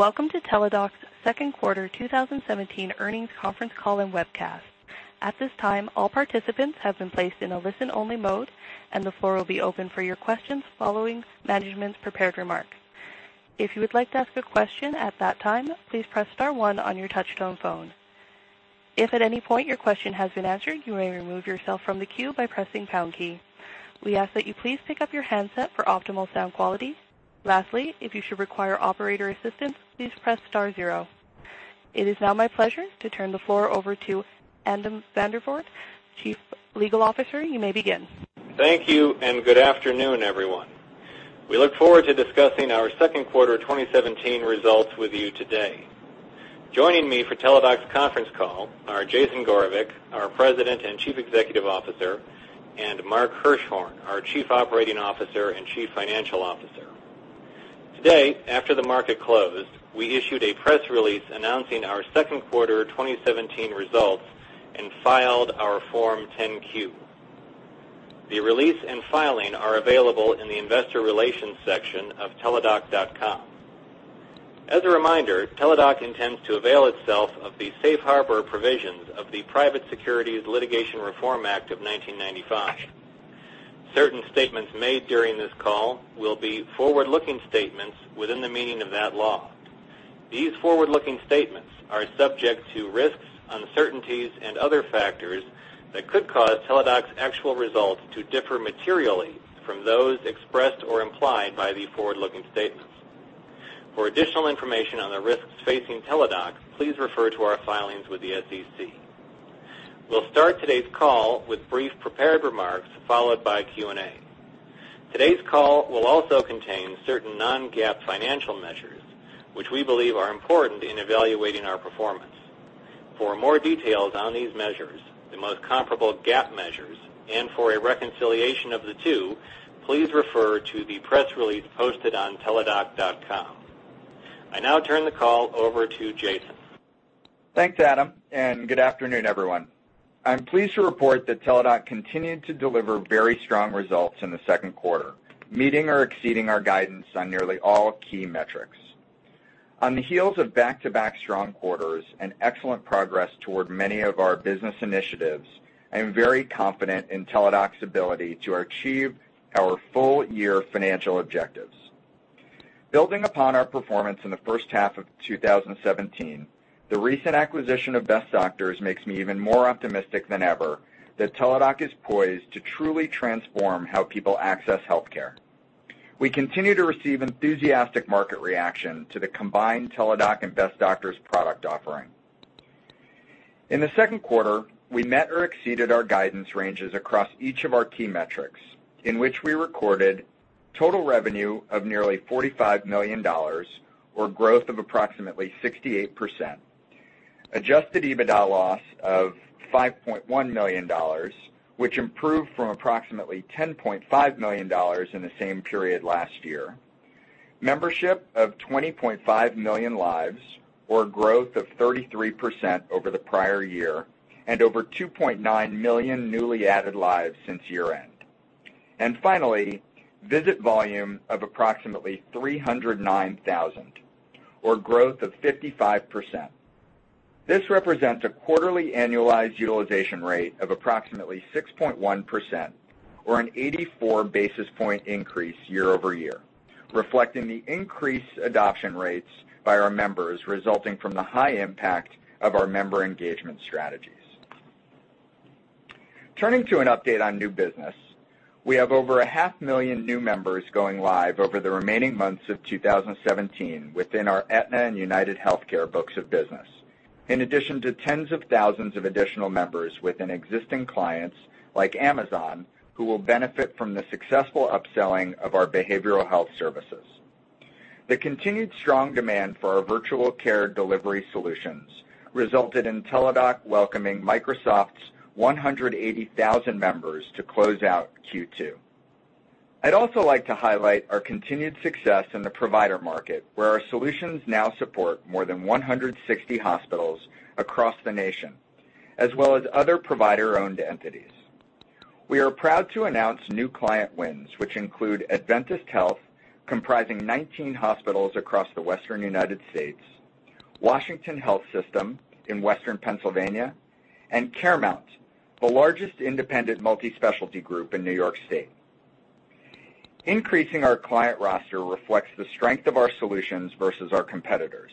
Welcome to Teladoc's second quarter 2017 earnings conference call and webcast. At this time, all participants have been placed in a listen-only mode, and the floor will be open for your questions following management's prepared remarks. If you would like to ask a question at that time, please press star one on your touch-tone phone. If at any point your question has been answered, you may remove yourself from the queue by pressing pound key. We ask that you please pick up your handset for optimal sound quality. Lastly, if you should require operator assistance, please press star zero. It is now my pleasure to turn the floor over to Adam Vandervoort, Chief Legal Officer. You may begin. Thank you. Good afternoon, everyone. We look forward to discussing our second quarter 2017 results with you today. Joining me for Teladoc's conference call are Jason Gorevic, our President and Chief Executive Officer, and Mark Hirschhorn, our Chief Operating Officer and Chief Financial Officer. Today, after the market closed, we issued a press release announcing our second quarter 2017 results and filed our Form 10-Q. The release and filing are available in the investor relations section of teladoc.com. As a reminder, Teladoc intends to avail itself of the safe harbor provisions of the Private Securities Litigation Reform Act of 1995. Certain statements made during this call will be forward-looking statements within the meaning of that law. These forward-looking statements are subject to risks, uncertainties, and other factors that could cause Teladoc's actual results to differ materially from those expressed or implied by the forward-looking statements. For additional information on the risks facing Teladoc, please refer to our filings with the SEC. We'll start today's call with brief prepared remarks, followed by Q&A. Today's call will also contain certain non-GAAP financial measures, which we believe are important in evaluating our performance. For more details on these measures, the most comparable GAAP measures, and for a reconciliation of the two, please refer to the press release posted on teladoc.com. I now turn the call over to Jason. Thanks, Adam. Good afternoon, everyone. I'm pleased to report that Teladoc continued to deliver very strong results in the second quarter, meeting or exceeding our guidance on nearly all key metrics. On the heels of back-to-back strong quarters and excellent progress toward many of our business initiatives, I am very confident in Teladoc's ability to achieve our full year financial objectives. Building upon our performance in the first half of 2017, the recent acquisition of Best Doctors makes me even more optimistic than ever that Teladoc is poised to truly transform how people access healthcare. We continue to receive enthusiastic market reaction to the combined Teladoc and Best Doctors product offering. In the second quarter, we met or exceeded our guidance ranges across each of our key metrics, in which we recorded total revenue of nearly $45 million, or growth of approximately 68%, adjusted EBITDA loss of $5.1 million, which improved from approximately $10.5 million in the same period last year. Membership of 20.5 million lives, or growth of 33% over the prior year, and over 2.9 million newly added lives since year end. Finally, visit volume of approximately 309,000, or growth of 55%. This represents a quarterly annualized utilization rate of approximately 6.1%, or an 84 basis point increase year-over-year, reflecting the increased adoption rates by our members resulting from the high impact of our member engagement strategies. Turning to an update on new business, we have over a half million new members going live over the remaining months of 2017 within our Aetna and UnitedHealthcare books of business. In addition to tens of thousands of additional members within existing clients like Amazon, who will benefit from the successful upselling of our behavioral health services. The continued strong demand for our virtual care delivery solutions resulted in Teladoc welcoming Microsoft's 180,000 members to close out Q2. I'd also like to highlight our continued success in the provider market, where our solutions now support more than 160 hospitals across the nation, as well as other provider-owned entities. We are proud to announce new client wins, which include Adventist Health, comprising 19 hospitals across the Western United States, Washington Health System in Western Pennsylvania, and CareMount, the largest independent multi-specialty group in New York State. Increasing our client roster reflects the strength of our solutions versus our competitors,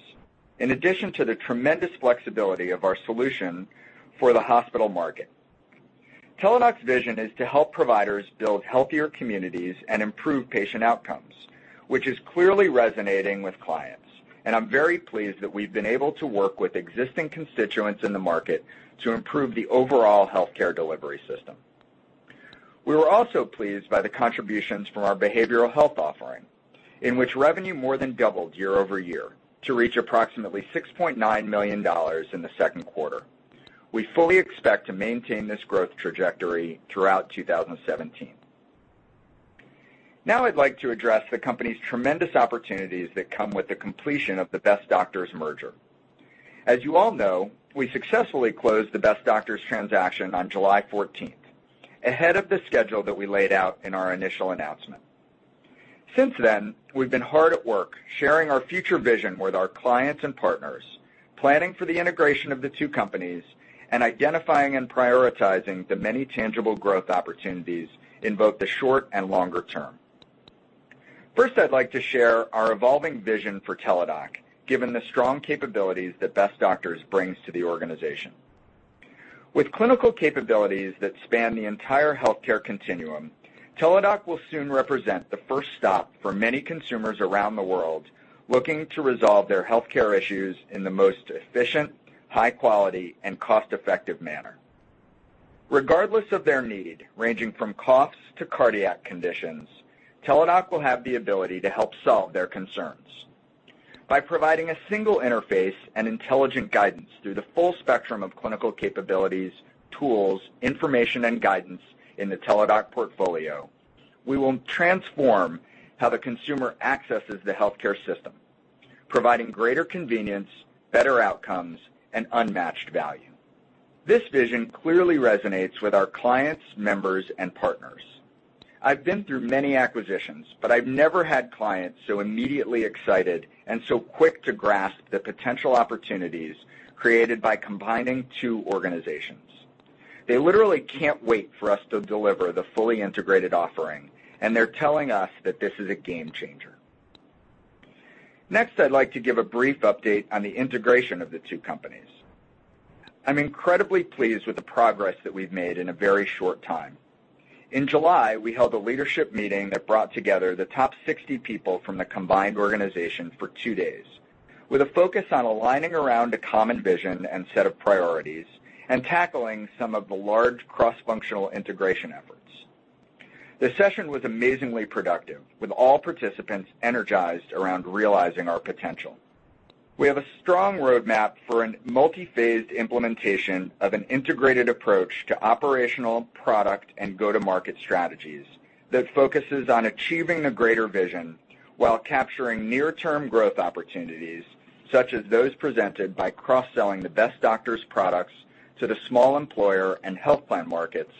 in addition to the tremendous flexibility of our solution for the hospital market. Teladoc's vision is to help providers build healthier communities and improve patient outcomes, which is clearly resonating with clients, and I'm very pleased that we've been able to work with existing constituents in the market to improve the overall healthcare delivery system. We were also pleased by the contributions from our behavioral health offering, in which revenue more than doubled year-over-year to reach approximately $6.9 million in the second quarter. We fully expect to maintain this growth trajectory throughout 2017. Now I'd like to address the company's tremendous opportunities that come with the completion of the Best Doctors merger. As you all know, we successfully closed the Best Doctors transaction on July 14th, ahead of the schedule that we laid out in our initial announcement. Since then, we've been hard at work sharing our future vision with our clients and partners, planning for the integration of the two companies, and identifying and prioritizing the many tangible growth opportunities in both the short and longer term. First, I'd like to share our evolving vision for Teladoc, given the strong capabilities that Best Doctors brings to the organization. With clinical capabilities that span the entire healthcare continuum, Teladoc will soon represent the first stop for many consumers around the world looking to resolve their healthcare issues in the most efficient, high quality, and cost-effective manner. Regardless of their need, ranging from coughs to cardiac conditions, Teladoc will have the ability to help solve their concerns. By providing a single interface and intelligent guidance through the full spectrum of clinical capabilities, tools, information, and guidance in the Teladoc portfolio, we will transform how the consumer accesses the healthcare system, providing greater convenience, better outcomes, and unmatched value. This vision clearly resonates with our clients, members, and partners. I've been through many acquisitions, but I've never had clients so immediately excited and so quick to grasp the potential opportunities created by combining two organizations. They literally can't wait for us to deliver the fully integrated offering, and they're telling us that this is a game changer. Next, I'd like to give a brief update on the integration of the two companies. I'm incredibly pleased with the progress that we've made in a very short time. In July, we held a leadership meeting that brought together the top 60 people from the combined organization for two days, with a focus on aligning around a common vision and set of priorities and tackling some of the large cross-functional integration efforts. The session was amazingly productive, with all participants energized around realizing our potential. We have a strong roadmap for a multi-phased implementation of an integrated approach to operational, product, and go-to-market strategies that focuses on achieving a greater vision while capturing near-term growth opportunities, such as those presented by cross-selling the Best Doctors products to the small employer and health plan markets,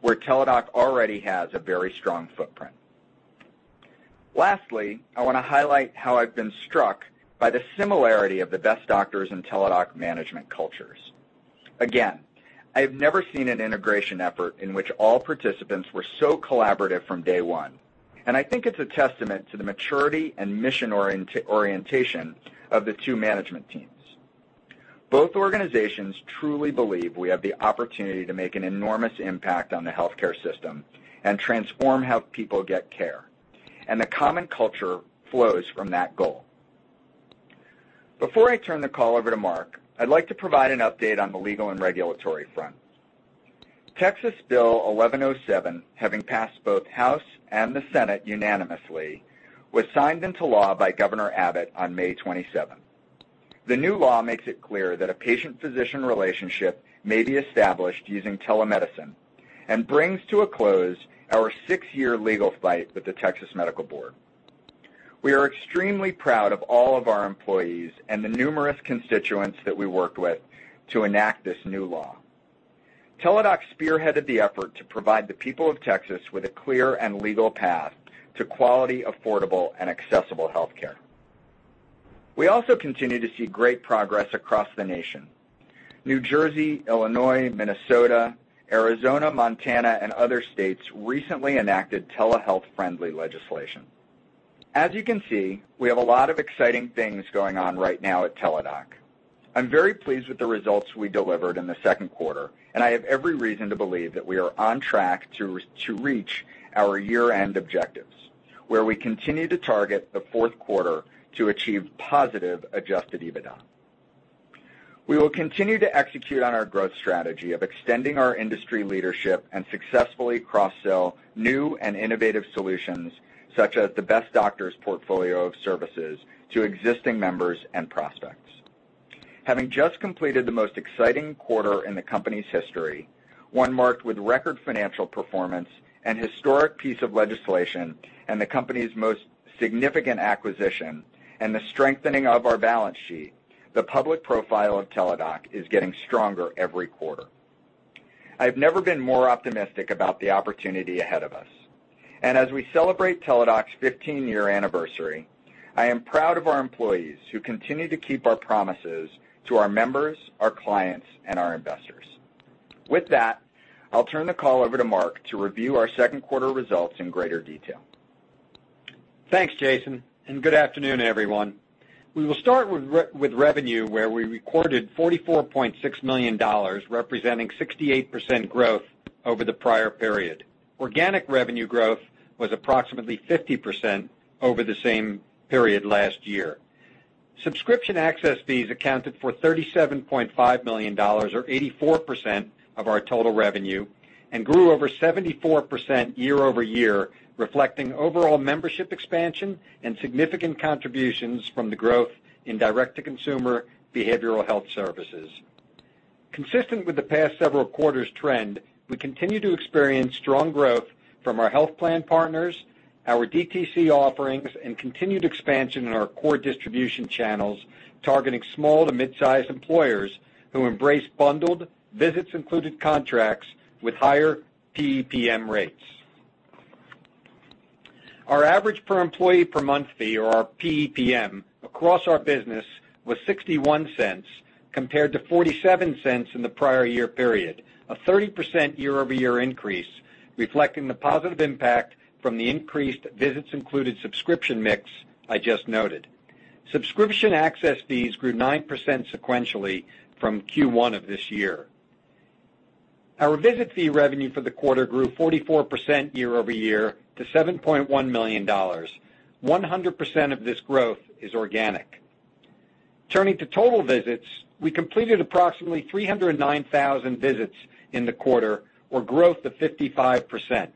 where Teladoc already has a very strong footprint. Lastly, I want to highlight how I've been struck by the similarity of the Best Doctors and Teladoc management cultures. Again, I have never seen an integration effort in which all participants were so collaborative from day one, and I think it's a testament to the maturity and mission orientation of the two management teams. Both organizations truly believe we have the opportunity to make an enormous impact on the healthcare system and transform how people get care, and the common culture flows from that goal. Before I turn the call over to Mark, I'd like to provide an update on the legal and regulatory front. Texas Bill 1107, having passed both House and the Senate unanimously, was signed into law by Governor Abbott on May 27th. The new law makes it clear that a patient-physician relationship may be established using telemedicine and brings to a close our six-year legal fight with the Texas Medical Board. We are extremely proud of all of our employees and the numerous constituents that we worked with to enact this new law. Teladoc spearheaded the effort to provide the people of Texas with a clear and legal path to quality, affordable, and accessible healthcare. We also continue to see great progress across the nation. New Jersey, Illinois, Minnesota, Arizona, Montana, and other states recently enacted telehealth-friendly legislation. As you can see, we have a lot of exciting things going on right now at Teladoc. I'm very pleased with the results we delivered in the second quarter, and I have every reason to believe that we are on track to reach our year-end objectives, where we continue to target the fourth quarter to achieve positive adjusted EBITDA. We will continue to execute on our growth strategy of extending our industry leadership and successfully cross-sell new and innovative solutions, such as the Best Doctors portfolio of services, to existing members and prospects. Having just completed the most exciting quarter in the company's history, one marked with record financial performance, an historic piece of legislation, and the company's most significant acquisition, and the strengthening of our balance sheet, the public profile of Teladoc is getting stronger every quarter. I've never been more optimistic about the opportunity ahead of us. As we celebrate Teladoc's 15-year anniversary, I am proud of our employees, who continue to keep our promises to our members, our clients, and our investors. With that, I'll turn the call over to Mark to review our second quarter results in greater detail. Thanks, Jason, and good afternoon, everyone. We will start with revenue, where we recorded $44.6 million, representing 68% growth over the prior period. Organic revenue growth was approximately 50% over the same period last year. Subscription access fees accounted for $37.5 million or 84% of our total revenue and grew over 74% year-over-year, reflecting overall membership expansion and significant contributions from the growth in direct-to-consumer behavioral health services. Consistent with the past several quarters trend, we continue to experience strong growth from our health plan partners, our DTC offerings, and continued expansion in our core distribution channels, targeting small to midsize employers who embrace bundled visits included contracts with higher PEPM rates. Our average per employee per month fee, or our PEPM, across our business was $0.61 compared to $0.47 in the prior year period. A 30% year-over-year increase reflecting the positive impact from the increased visits included subscription mix I just noted. Subscription access fees grew 9% sequentially from Q1 of this year. Our visit fee revenue for the quarter grew 44% year-over-year to $7.1 million. 100% of this growth is organic. Turning to total visits, we completed approximately 309,000 visits in the quarter, or growth of 55%.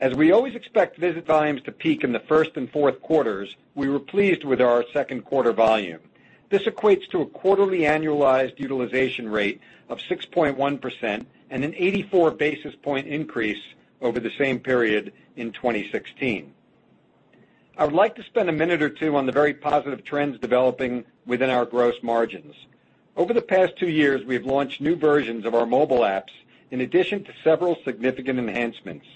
As we always expect visit volumes to peak in the first and fourth quarters, we were pleased with our second quarter volume. This equates to a quarterly annualized utilization rate of 6.1% and an 84 basis point increase over the same period in 2016. I would like to spend a minute or two on the very positive trends developing within our gross margins. Over the past two years, we have launched new versions of our mobile apps in addition to several significant enhancements.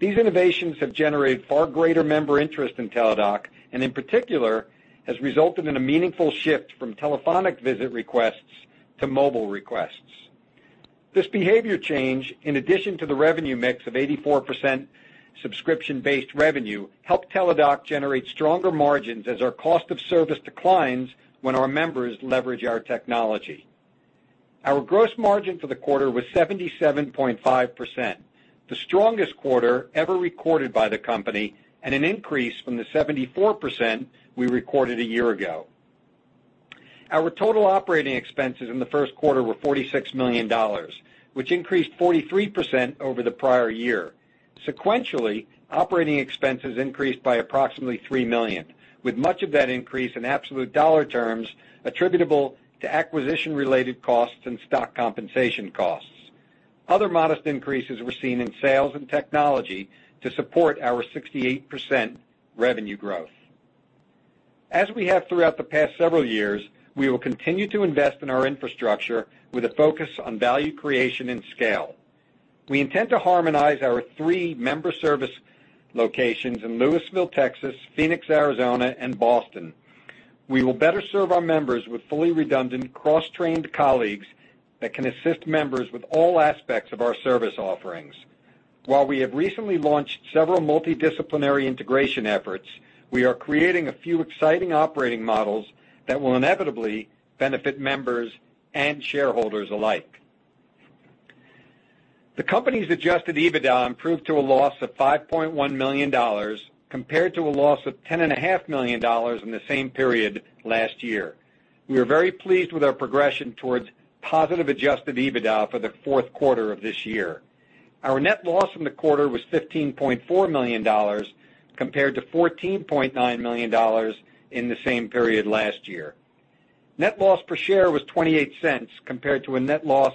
These innovations have generated far greater member interest in Teladoc, and in particular, has resulted in a meaningful shift from telephonic visit requests to mobile requests. This behavior change, in addition to the revenue mix of 84% subscription-based revenue, helped Teladoc generate stronger margins as our cost of service declines when our members leverage our technology. Our gross margin for the quarter was 77.5%, the strongest quarter ever recorded by the company and an increase from the 74% we recorded a year ago. Our total operating expenses in the first quarter were $46 million, which increased 43% over the prior year. Sequentially, operating expenses increased by approximately $3 million, with much of that increase in absolute dollar terms attributable to acquisition-related costs and stock compensation costs. Other modest increases were seen in sales and technology to support our 68% revenue growth. As we have throughout the past several years, we will continue to invest in our infrastructure with a focus on value creation and scale. We intend to harmonize our 3 member service locations in Lewisville, Texas, Phoenix, Arizona, and Boston. We will better serve our members with fully redundant cross-trained colleagues that can assist members with all aspects of our service offerings. While we have recently launched several multidisciplinary integration efforts, we are creating a few exciting operating models that will inevitably benefit members and shareholders alike. The company's adjusted EBITDA improved to a loss of $5.1 million compared to a loss of $10.5 million in the same period last year. We are very pleased with our progression towards positive adjusted EBITDA for the fourth quarter of this year. Our net loss from the quarter was $15.4 million compared to $14.9 million in the same period last year. Net loss per share was $0.28 compared to a net loss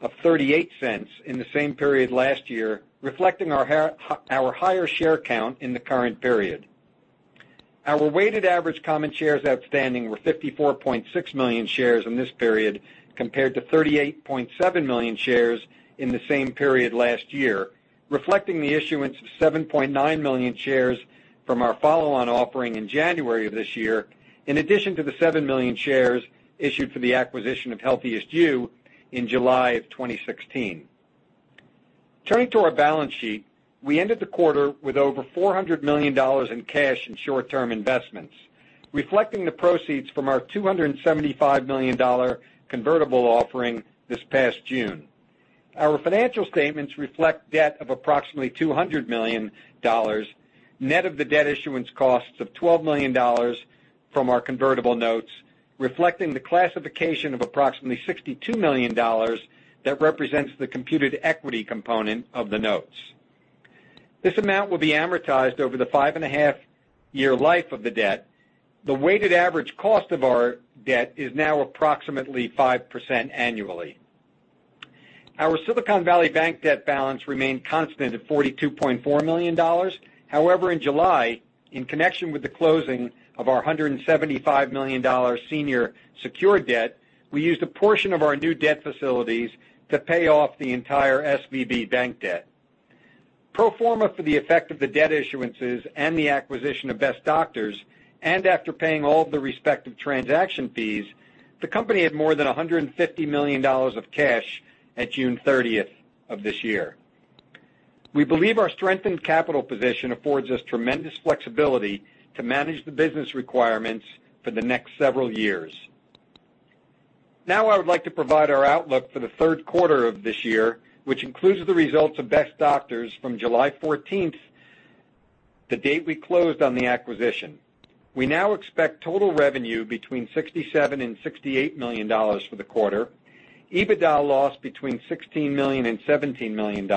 of $0.38 in the same period last year, reflecting our higher share count in the current period. Our weighted average common shares outstanding were 54.6 million shares in this period compared to 38.7 million shares in the same period last year, reflecting the issuance of 7.9 million shares from our follow-on offering in January of this year, in addition to the 7 million shares issued for the acquisition of HealthiestYou in July of 2016. Turning to our balance sheet, we ended the quarter with over $400 million in cash and short-term investments, reflecting the proceeds from our $275 million convertible offering this past June. Our financial statements reflect debt of approximately $200 million, net of the debt issuance costs of $12 million from our convertible notes, reflecting the classification of approximately $62 million that represents the computed equity component of the notes. This amount will be amortized over the five and a half year life of the debt. The weighted average cost of our debt is now approximately 5% annually. Our Silicon Valley Bank debt balance remained constant at $42.4 million. However, in July, in connection with the closing of our $175 million senior secured debt, we used a portion of our new debt facilities to pay off the entire SVB bank debt. Pro forma for the effect of the debt issuances and the acquisition of Best Doctors, and after paying all the respective transaction fees, the company had more than $150 million of cash at June 30th of this year. We believe our strengthened capital position affords us tremendous flexibility to manage the business requirements for the next several years. Now I would like to provide our outlook for the third quarter of this year, which includes the results of Best Doctors from July 14th, the date we closed on the acquisition. We now expect total revenue between $67 million and $68 million for the quarter, EBITDA loss between $16 million and $17 million.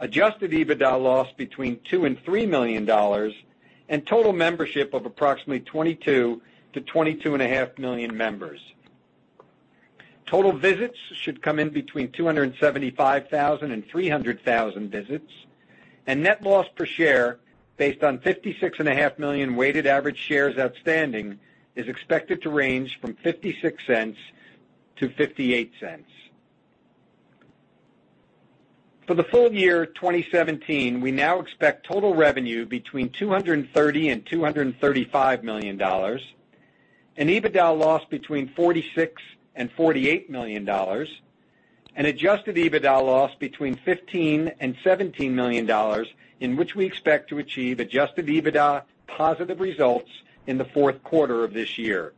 Adjusted EBITDA loss between $2 million and $3 million, and total membership of approximately 22 million-22.5 million members. Total visits should come in between 275,000-300,000 visits, and net loss per share based on 56.5 million weighted average shares outstanding is expected to range from $0.56-$0.58. For the full year 2017, we now expect total revenue between $230 million and $235 million, an EBITDA loss between $46 million and $48 million, an adjusted EBITDA loss between $15 million and $17 million, in which we expect to achieve adjusted EBITDA positive results in the fourth quarter of this year.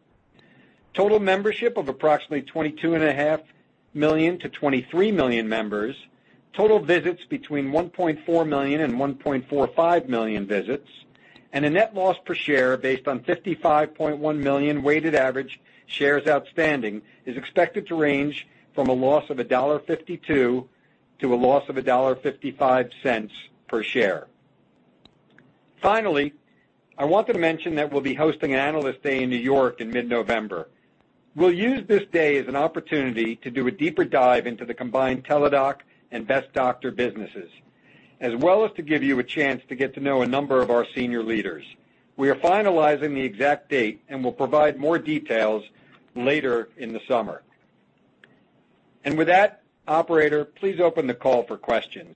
Total membership of approximately 22.5 million to 23 million members, total visits between 1.4 million and 1.45 million visits, and a net loss per share based on 55.1 million weighted average shares outstanding is expected to range from a loss of $1.52 to a loss of $1.55 per share. Finally, I wanted to mention that we'll be hosting Analyst Day in New York in mid-November. We'll use this day as an opportunity to do a deeper dive into the combined Teladoc and Best Doctors businesses, as well as to give you a chance to get to know a number of our senior leaders. We are finalizing the exact date, and will provide more details later in the summer. With that, operator, please open the call for questions.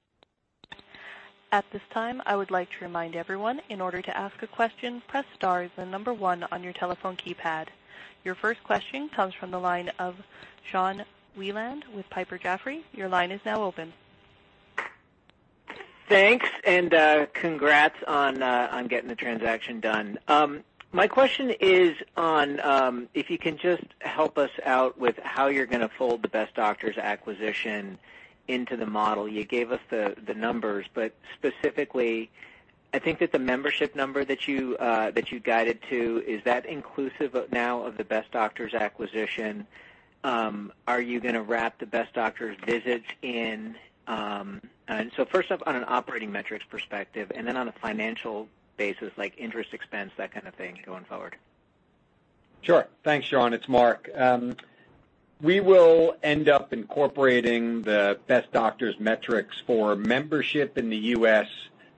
At this time, I would like to remind everyone, in order to ask a question, press star, then the number 1 on your telephone keypad. Your first question comes from the line of Sean Wieland with Piper Jaffray. Your line is now open. Thanks, and congrats on getting the transaction done. My question is on if you can just help us out with how you're going to fold the Best Doctors acquisition into the model. You gave us the numbers, but specifically, I think that the membership number that you guided to, is that inclusive now of the Best Doctors acquisition? Are you going to wrap the Best Doctors visits in? First off, on an operating metrics perspective, and then on a financial basis, like interest expense, that kind of thing going forward. Sure. Thanks, Sean. It's Mark. We will end up incorporating the Best Doctors metrics for membership in the U.S.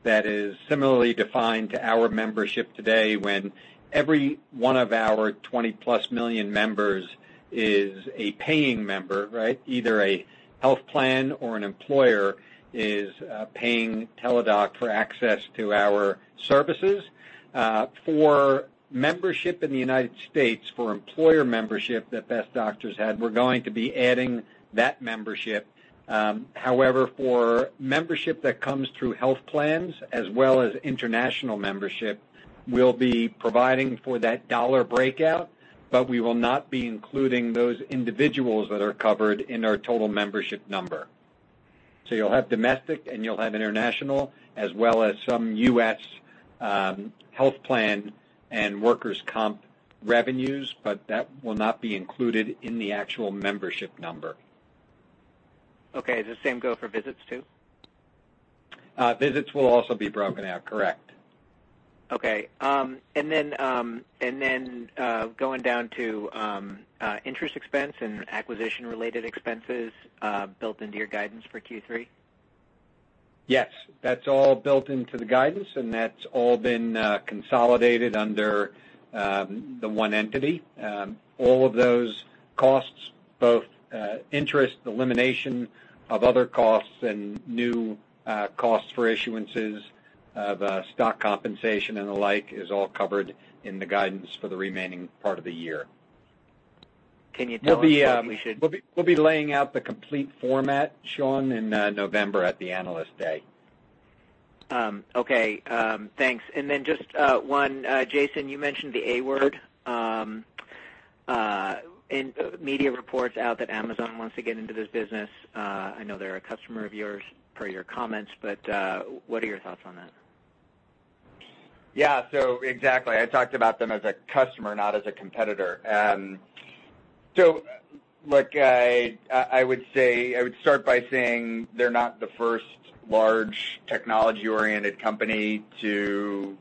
that is similarly defined to our membership today when every one of our 20-plus million members is a paying member, right? Either a health plan or an employer is paying Teladoc for access to our services. For membership in the United States, for employer membership that Best Doctors had, we're going to be adding that membership. However, for membership that comes through health plans as well as international membership, we'll be providing for that dollar breakout, but we will not be including those individuals that are covered in our total membership number. You'll have domestic and you'll have international, as well as some U.S. health plan and workers' comp revenues, but that will not be included in the actual membership number. Okay. Does the same go for visits too? Visits will also be broken out. Correct. Okay. Then, going down to interest expense and acquisition-related expenses built into your guidance for Q3? Yes. That's all built into the guidance, and that's all been consolidated under the one entity. All of those costs, both interest, elimination of other costs, and new costs for issuances of stock compensation and the like, is all covered in the guidance for the remaining part of the year. Can you tell us what we should- We'll be laying out the complete format, Sean, in November at the Analyst Day. Okay. Thanks. Then just one, Jason, you mentioned the A word. In media reports out that Amazon wants to get into this business. I know they're a customer of yours, per your comments, but what are your thoughts on that? Yeah. Exactly. I talked about them as a customer, not as a competitor. Look, I would start by saying they're not the first large technology-oriented company to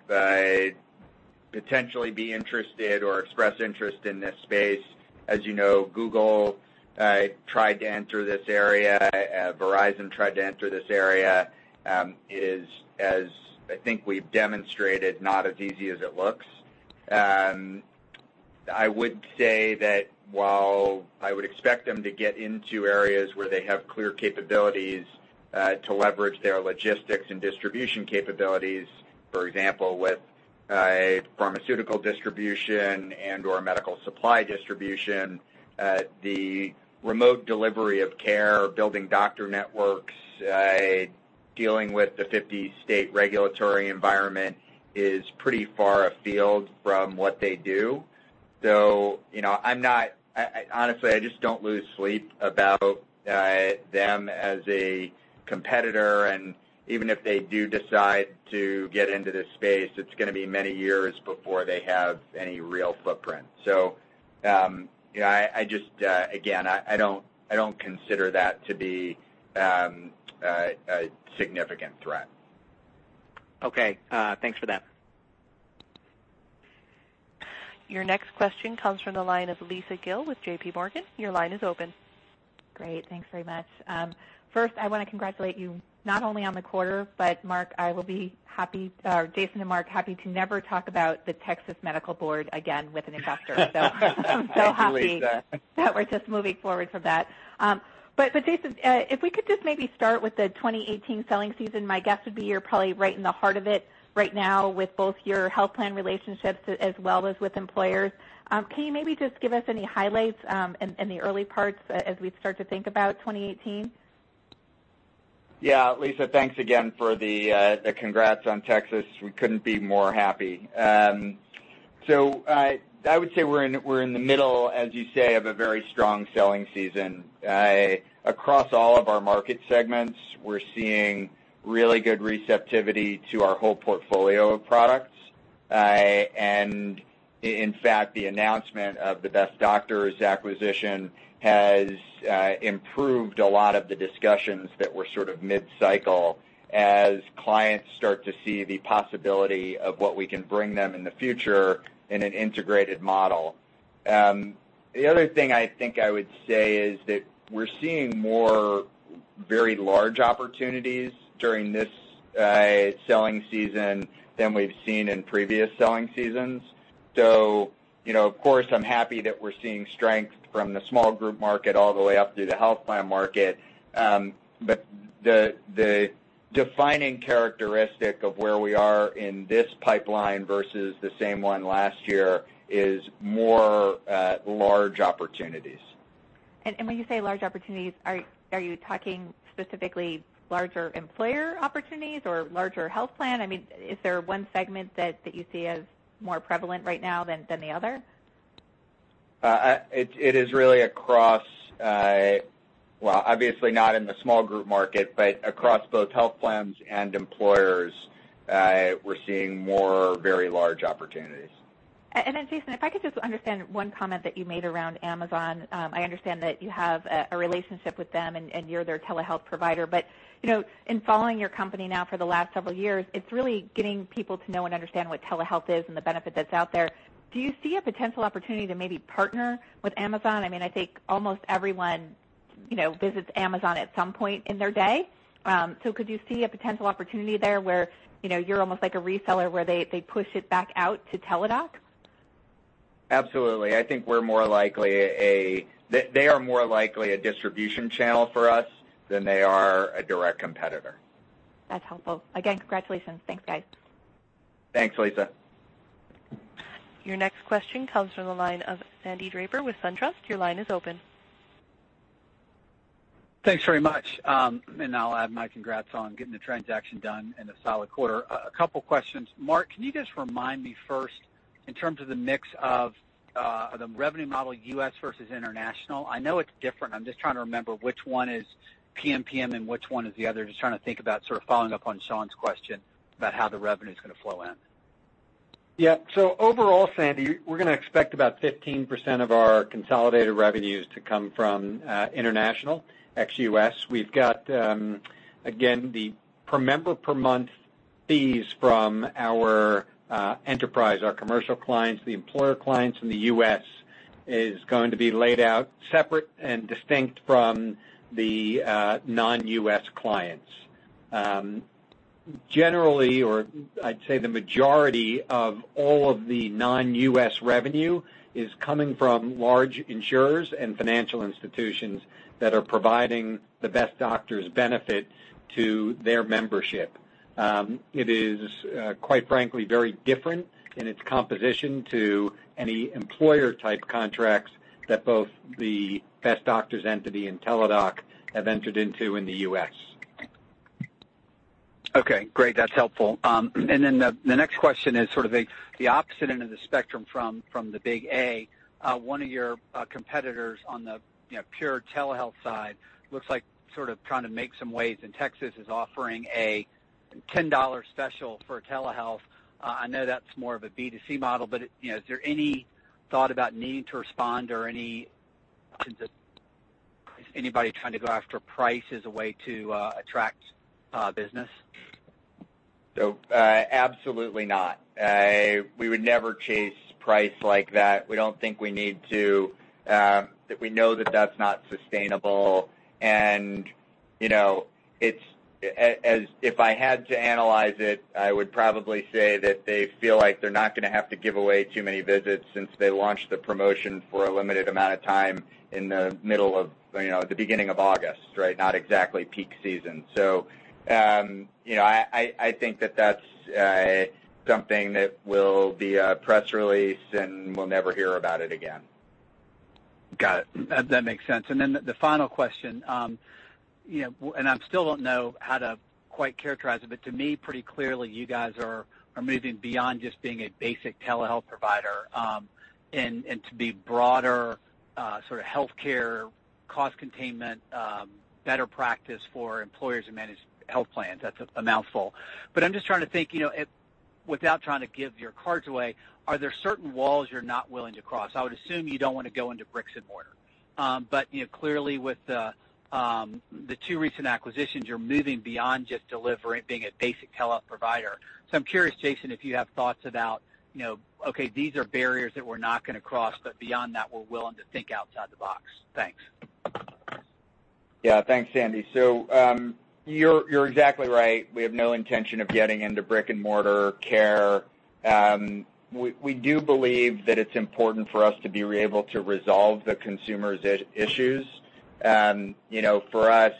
potentially be interested or express interest in this space. As you know, Google tried to enter this area. Verizon tried to enter this area. It is, as I think we've demonstrated, not as easy as it looks. I would say that while I would expect them to get into areas where they have clear capabilities to leverage their logistics and distribution capabilities, for example, with pharmaceutical distribution and/or medical supply distribution, the remote delivery of care, building doctor networks, dealing with the 50-state regulatory environment is pretty far afield from what they do. Honestly, I just don't lose sleep about them as a competitor, and even if they do decide to get into this space, it's going to be many years before they have any real footprint. Again, I don't consider that to be a significant threat. Okay. Thanks for that. Your next question comes from the line of Lisa Gill with JPMorgan. Your line is open. Great. Thanks very much. First, I want to congratulate you not only on the quarter, Jason and Mark, I will be happy to never talk about the Texas Medical Board again with an investor. I'm so happy- I believe that that we're just moving forward from that. Jason, if we could just maybe start with the 2018 selling season, my guess would be you're probably right in the heart of it right now with both your health plan relationships as well as with employers. Can you maybe just give us any highlights in the early parts as we start to think about 2018? Yeah. Lisa, thanks again for the congrats on Texas. We couldn't be more happy. I would say we're in the middle, as you say, of a very strong selling season. Across all of our market segments, we're seeing really good receptivity to our whole portfolio of products. In fact, the announcement of the Best Doctors acquisition has improved a lot of the discussions that were sort of mid-cycle as clients start to see the possibility of what we can bring them in the future in an integrated model. The other thing I think I would say is that we're seeing more very large opportunities during this selling season than we've seen in previous selling seasons. Of course, I'm happy that we're seeing strength from the small group market all the way up through the health plan market. The defining characteristic of where we are in this pipeline versus the same one last year is more large opportunities. When you say large opportunities, are you talking specifically larger employer opportunities or larger health plan? Is there one segment that you see as more prevalent right now than the other? It is really across, well, obviously not in the small group market, but across both health plans and employers, we're seeing more very large opportunities. Jason, if I could just understand one comment that you made around Amazon. I understand that you have a relationship with them and you're their telehealth provider. In following your company now for the last several years, it's really getting people to know and understand what telehealth is and the benefit that's out there. Do you see a potential opportunity to maybe partner with Amazon? I think almost everyone visits Amazon at some point in their day. Could you see a potential opportunity there where you're almost like a reseller where they push it back out to Teladoc? Absolutely. I think they are more likely a distribution channel for us than they are a direct competitor. That's helpful. Again, congratulations. Thanks, guys. Thanks, Lisa. Your next question comes from the line of Sandy Draper with SunTrust. Your line is open. Thanks very much. I'll add my congrats on getting the transaction done and a solid quarter. A couple questions. Mark, can you just remind me first, in terms of the mix of the revenue model, U.S. versus international? I know it's different. I'm just trying to remember which one is PMPM and which one is the other. Just trying to think about sort of following up on Sean's question about how the revenue's going to flow in. Yeah. Overall, Sandy, we're going to expect about 15% of our consolidated revenues to come from international, ex-U.S. We've got, again, the per member per month fees from our enterprise, our commercial clients, the employer clients in the U.S., is going to be laid out separate and distinct from the non-U.S. clients. Generally, or I'd say the majority of all of the non-U.S. revenue is coming from large insurers and financial institutions that are providing the Best Doctors benefit to their membership. It is, quite frankly, very different in its composition to any employer-type contracts that both the Best Doctors entity and Teladoc have entered into in the U.S. Okay, great. That's helpful. Then the next question is sort of the opposite end of the spectrum from the big A. One of your competitors on the pure telehealth side looks like sort of trying to make some waves in Texas, is offering a $10 special for telehealth. I know that's more of a B2C model, but is there any thought about needing to respond or is anybody trying to go after price as a way to attract business? Absolutely not. We would never chase price like that. We don't think we need to. We know that that's not sustainable. If I had to analyze it, I would probably say that they feel like they're not going to have to give away too many visits since they launched the promotion for a limited amount of time in the beginning of August, right? Not exactly peak season. I think that that's something that will be a press release, and we'll never hear about it again. Got it. That makes sense. The final question, I still don't know how to quite characterize it, but to me, pretty clearly, you guys are moving beyond just being a basic telehealth provider, to be broader sort of healthcare cost containment, better practice for employers and managed health plans. That's a mouthful, but I'm just trying to think, Without trying to give your cards away, are there certain walls you're not willing to cross? I would assume you don't want to go into bricks and mortar. Clearly with the two recent acquisitions, you're moving beyond just delivering, being a basic health provider. I'm curious, Jason, if you have thoughts about, okay, these are barriers that we're not going to cross, but beyond that, we're willing to think outside the box. Thanks. Yeah. Thanks, Sandy. You're exactly right. We have no intention of getting into brick and mortar care. We do believe that it's important for us to be able to resolve the consumer's issues. For us,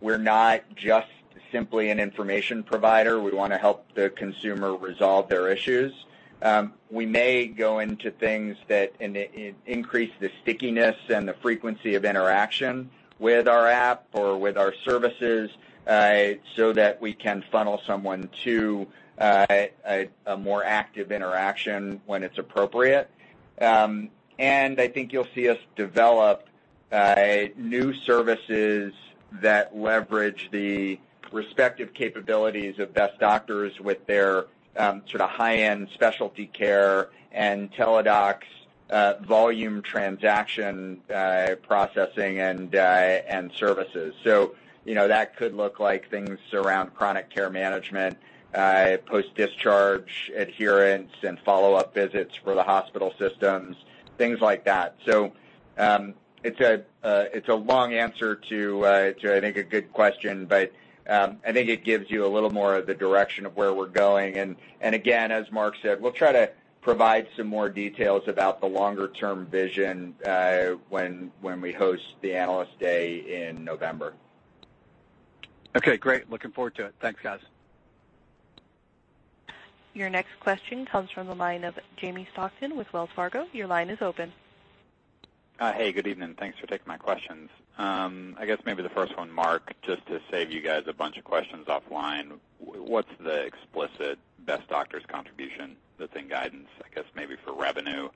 we're not just simply an information provider. We want to help the consumer resolve their issues. We may go into things that increase the stickiness and the frequency of interaction with our app or with our services, that we can funnel someone to a more active interaction when it's appropriate. I think you'll see us develop new services that leverage the respective capabilities of Best Doctors with their sort of high-end specialty care and Teladoc's volume transaction processing and services. That could look like things around chronic care management, post-discharge adherence, and follow-up visits for the hospital systems, things like that. It's a long answer to I think a good question, I think it gives you a little more of the direction of where we're going, again, as Mark said, we'll try to provide some more details about the longer-term vision when we host the Analyst Day in November. Okay, great. Looking forward to it. Thanks, guys. Your next question comes from the line of Jamie Stockton with Wells Fargo. Your line is open. Hey, good evening. Thanks for taking my questions. I guess maybe the first one, Mark, just to save you guys a bunch of questions offline, what's the explicit Best Doctors contribution within guidance, I guess maybe for revenue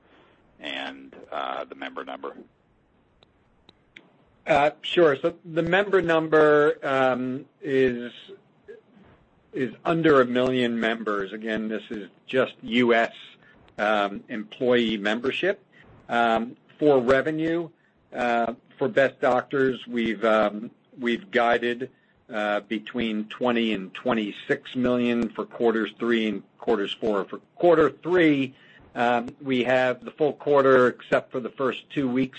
and the member number? Sure. The member number is under a million members. Again, this is just U.S. employee membership. For revenue, for Best Doctors, we've guided between $20 million and $26 million for quarters three and quarters four. For quarter three, we have the full quarter except for the first two weeks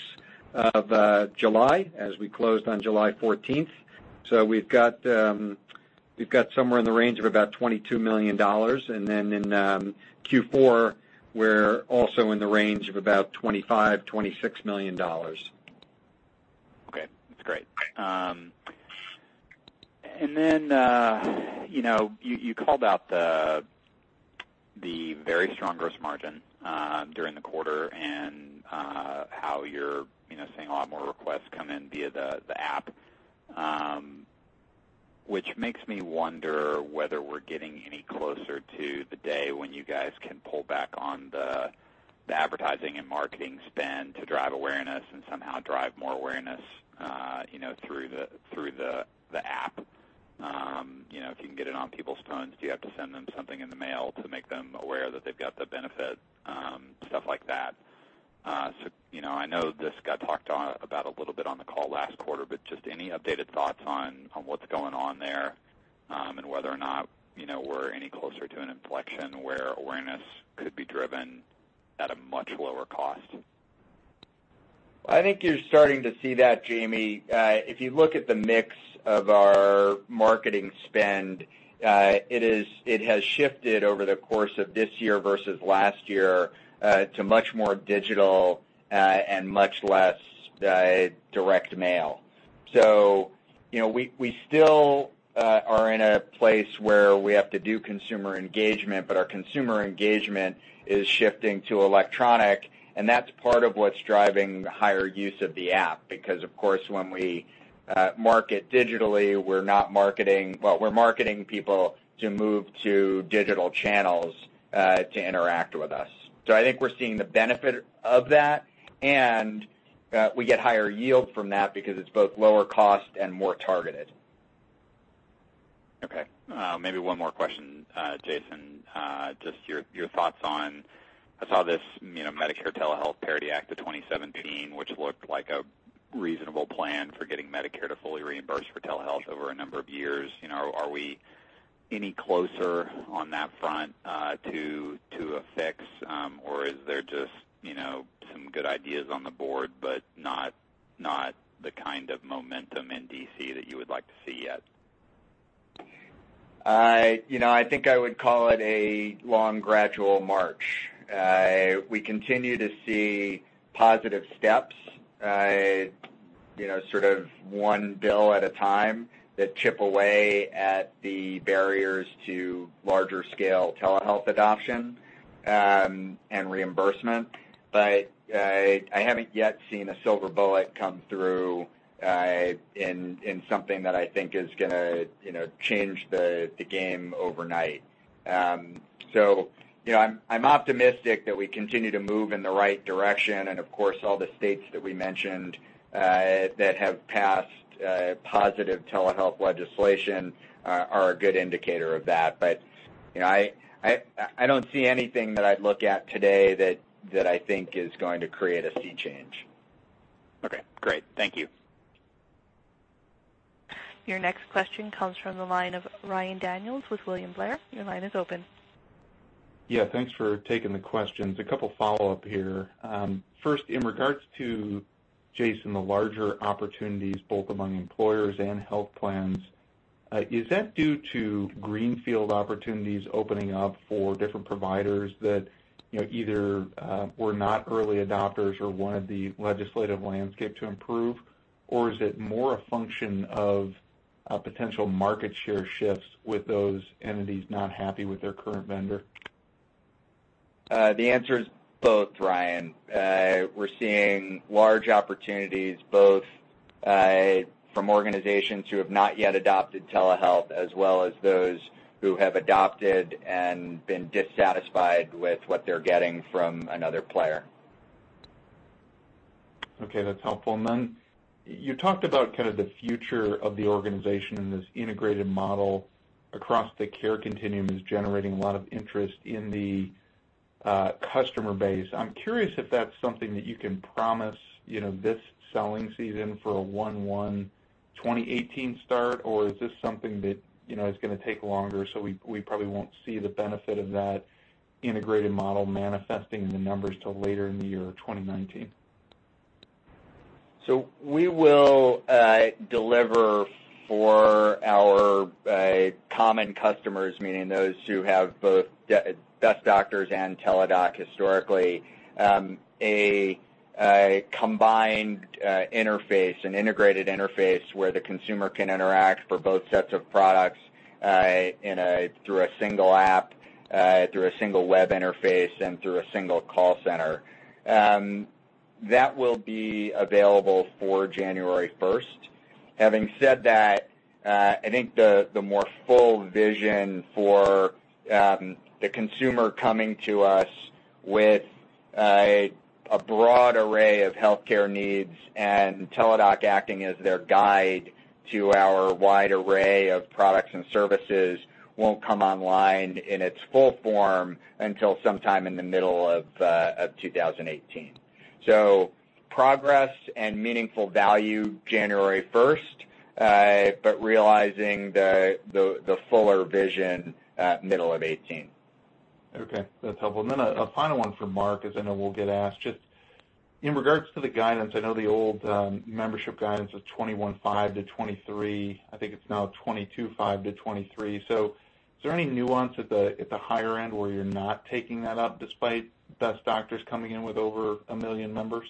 of July as we closed on July 14th. We've got somewhere in the range of about $22 million. Then in Q4, we're also in the range of about $25 million, $26 million. Okay, that's great. Then, you called out the very strong gross margin during the quarter and how you're seeing a lot more requests come in via the app, which makes me wonder whether we're getting any closer to the day when you guys can pull back on the advertising and marketing spend to drive awareness and somehow drive more awareness through the app. If you can get it on people's phones, do you have to send them something in the mail to make them aware that they've got the benefit, stuff like that. I know this got talked about a little bit on the call last quarter, but just any updated thoughts on what's going on there, and whether or not we're any closer to an inflection where awareness could be driven at a much lower cost. I think you're starting to see that, Jamie. If you look at the mix of our marketing spend, it has shifted over the course of this year versus last year, to much more digital, and much less direct mail. We still are in a place where we have to do consumer engagement, but our consumer engagement is shifting to electronic, and that's part of what's driving the higher use of the app. Because of course, when we market digitally, we're marketing people to move to digital channels, to interact with us. I think we're seeing the benefit of that, and we get higher yield from that because it's both lower cost and more targeted. Okay. Maybe one more question, Jason. Just your thoughts on, I saw this Medicare Telehealth Parity Act of 2017, which looked like a reasonable plan for getting Medicare to fully reimburse for telehealth over a number of years. Are we any closer on that front to a fix? Or is there just some good ideas on the board, but not the kind of momentum in D.C. that you would like to see yet? I think I would call it a long gradual march. We continue to see positive steps, sort of one bill at a time that chip away at the barriers to larger scale telehealth adoption, and reimbursement. I haven't yet seen a silver bullet come through in something that I think is going to change the game overnight. I'm optimistic that we continue to move in the right direction. Of course, all the states that we mentioned, that have passed positive telehealth legislation are a good indicator of that. I don't see anything that I'd look at today that I think is going to create a sea change. Okay, great. Thank you. Your next question comes from the line of Ryan Daniels with William Blair. Your line is open. Yeah, thanks for taking the questions. A couple follow-up here. First, in regards to, Jason, the larger opportunities both among employers and health plans, is that due to greenfield opportunities opening up for different providers that either were not early adopters or wanted the legislative landscape to improve, or is it more a function of potential market share shifts with those entities not happy with their current vendor? The answer is both, Ryan. We're seeing large opportunities both from organizations who have not yet adopted telehealth, as well as those who have adopted and been dissatisfied with what they're getting from another player. Okay, that's helpful. Then you talked about the future of the organization, and this integrated model across the care continuum is generating a lot of interest in the customer base. I'm curious if that's something that you can promise this selling season for a 1/1 2018 start, or is this something that is going to take longer, so we probably won't see the benefit of that integrated model manifesting in the numbers till later in the year 2019? We will deliver for our common customers, meaning those who have both Best Doctors and Teladoc historically, a combined interface, an integrated interface where the consumer can interact for both sets of products through a single app, through a single web interface, and through a single call center. That will be available for January 1st. Having said that, I think the more full vision for the consumer coming to us with a broad array of healthcare needs and Teladoc acting as their guide to our wide array of products and services won't come online in its full form until sometime in the middle of 2018. Progress and meaningful value January 1st, but realizing the fuller vision middle of 2018. Okay, that's helpful. Then a final one for Mark, as I know we'll get asked. Just in regards to the guidance, I know the old membership guidance was 21.5-23. I think it's now 22.5-23. Is there any nuance at the higher end where you're not taking that up despite Best Doctors coming in with over 1 million members?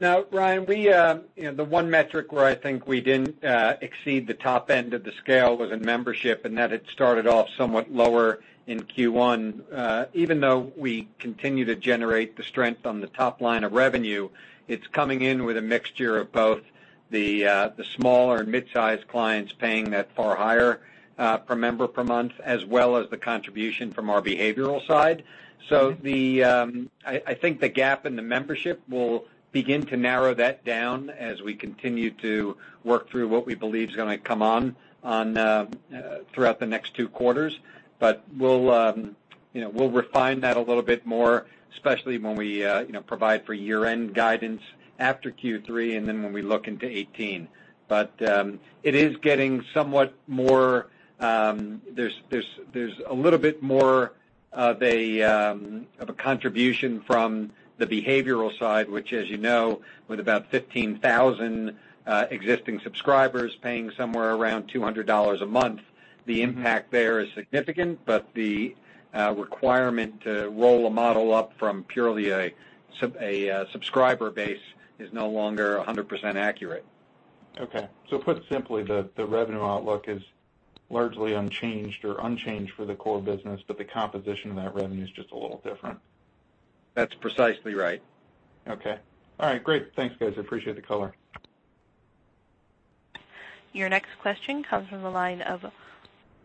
Ryan, the one metric where I think we didn't exceed the top end of the scale was in membership, and that had started off somewhat lower in Q1. Even though we continue to generate the strength on the top line of revenue, it's coming in with a mixture of both the smaller and mid-size clients paying that far higher per member per month, as well as the contribution from our behavioral side. I think the gap in the membership will begin to narrow that down as we continue to work through what we believe is going to come on throughout the next two quarters. We'll refine that a little bit more, especially when we provide for year-end guidance after Q3 and then when we look into 2018. It is getting a little bit more of a contribution from the behavioral side, which, as you know, with about 15,000 existing subscribers paying somewhere around $200 a month, the impact there is significant. The requirement to roll a model up from purely a subscriber base is no longer 100% accurate. Okay. Put simply, the revenue outlook is largely unchanged or unchanged for the core business, but the composition of that revenue is just a little different. That's precisely right. Okay. All right, great. Thanks, guys. I appreciate the color. Your next question comes from the line of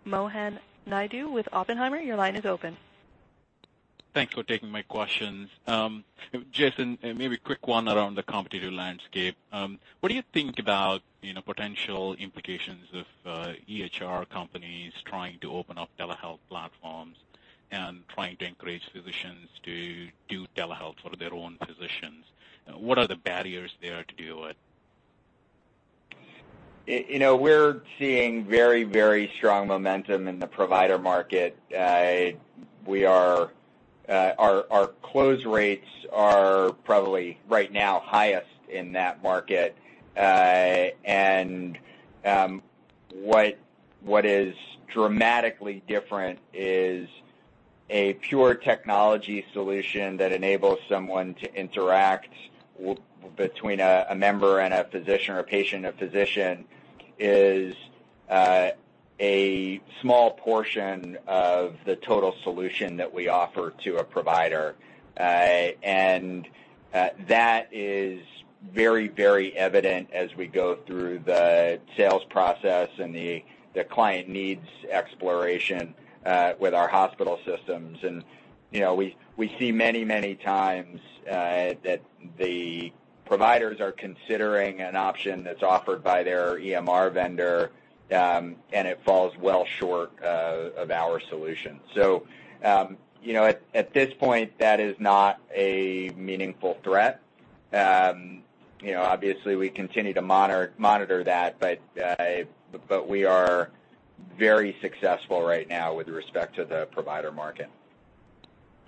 Mohan Naidu with Oppenheimer. Your line is open. Thanks for taking my questions. Jason, maybe a quick one around the competitive landscape. What do you think about potential implications of EHR companies trying to open up telehealth platforms and trying to encourage physicians to do telehealth for their own physicians? What are the barriers there to do it? We're seeing very strong momentum in the provider market. Our close rates are probably right now highest in that market. What is dramatically different is a pure technology solution that enables someone to interact between a member and a physician or patient and physician is a small portion of the total solution that we offer to a provider. That is very evident as we go through the sales process and the client needs exploration with our hospital systems. We see many, many times that the providers are considering an option that's offered by their EMR vendor, and it falls well short of our solution. At this point, that is not a meaningful threat. Obviously, we continue to monitor that, but we are very successful right now with respect to the provider market.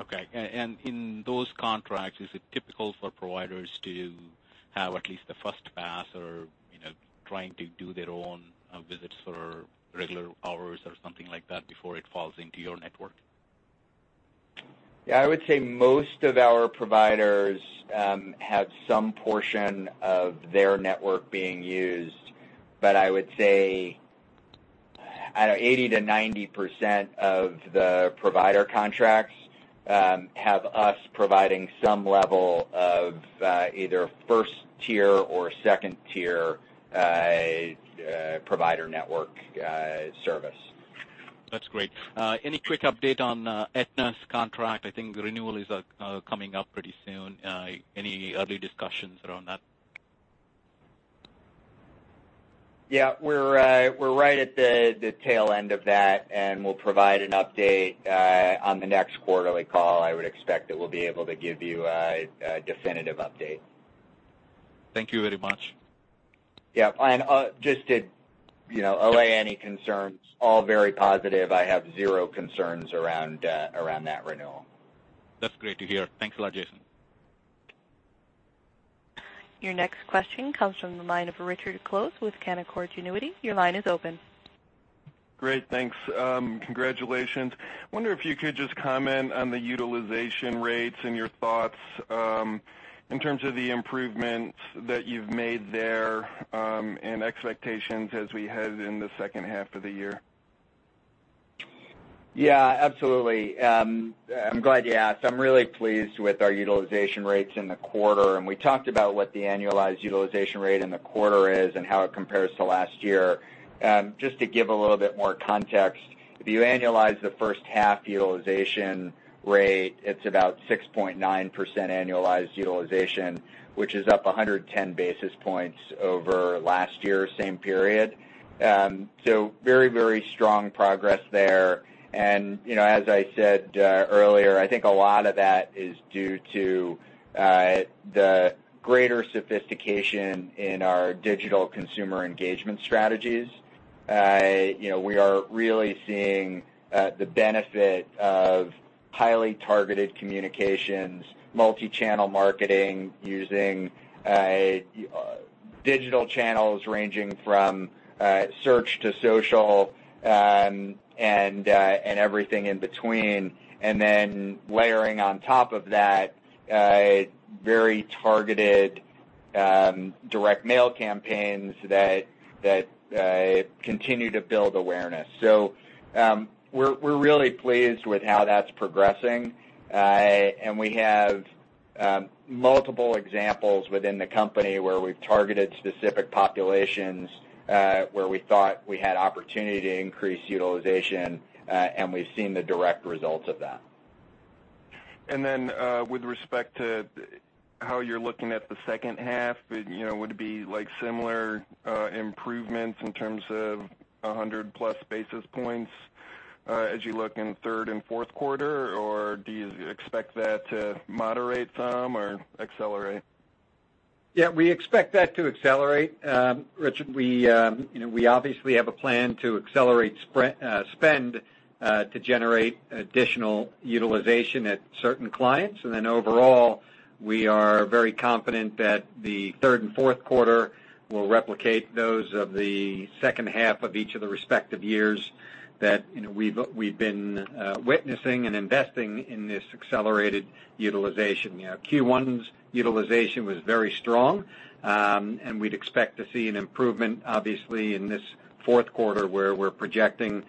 Okay. In those contracts, is it typical for providers to have at least a first pass or trying to do their own visits for regular hours or something like that before it falls into your network? Yeah, I would say most of our providers have some portion of their network being used. I would say 80%-90% of the provider contracts have us providing some level of either first-tier or second-tier provider network service. That's great. Any quick update on Aetna's contract? I think the renewal is coming up pretty soon. Any early discussions around that? Yeah. We're right at the tail end of that, and we'll provide an update on the next quarterly call. I would expect that we'll be able to give you a definitive update. Thank you very much. Yeah. Just to allay any concerns, all very positive. I have zero concerns around that renewal. That's great to hear. Thanks a lot, Jason. Your next question comes from the line of Richard Close with Canaccord Genuity. Your line is open. Great, thanks. Congratulations. Wonder if you could just comment on the utilization rates and your thoughts in terms of the improvements that you've made there, and expectations as we head in the second half of the year. Yeah, absolutely. I'm glad you asked. I'm really pleased with our utilization rates in the quarter, and we talked about what the annualized utilization rate in the quarter is and how it compares to last year. Just to give a little bit more context, if you annualize the first half utilization rate, it's about 6.9% annualized utilization, which is up 110 basis points over last year, same period. Very strong progress there. As I said earlier, I think a lot of that is due to the greater sophistication in our digital consumer engagement strategies. We are really seeing the benefit of highly targeted communications, multi-channel marketing, using digital channels ranging from search to social, and everything in between. Then layering on top of that very targeted direct mail campaigns that continue to build awareness. We're really pleased with how that's progressing. We have multiple examples within the company where we've targeted specific populations, where we thought we had opportunity to increase utilization, and we've seen the direct results of that. With respect to how you're looking at the second half, would it be similar improvements in terms of 100-plus basis points as you look in third and fourth quarter, or do you expect that to moderate some or accelerate? We expect that to accelerate, Richard. We obviously have a plan to accelerate spend to generate additional utilization at certain clients. Overall, we are very confident that the third and fourth quarter will replicate those of the second half of each of the respective years that we've been witnessing and investing in this accelerated utilization. Q1's utilization was very strong, and we'd expect to see an improvement, obviously, in this fourth quarter, where we're projecting,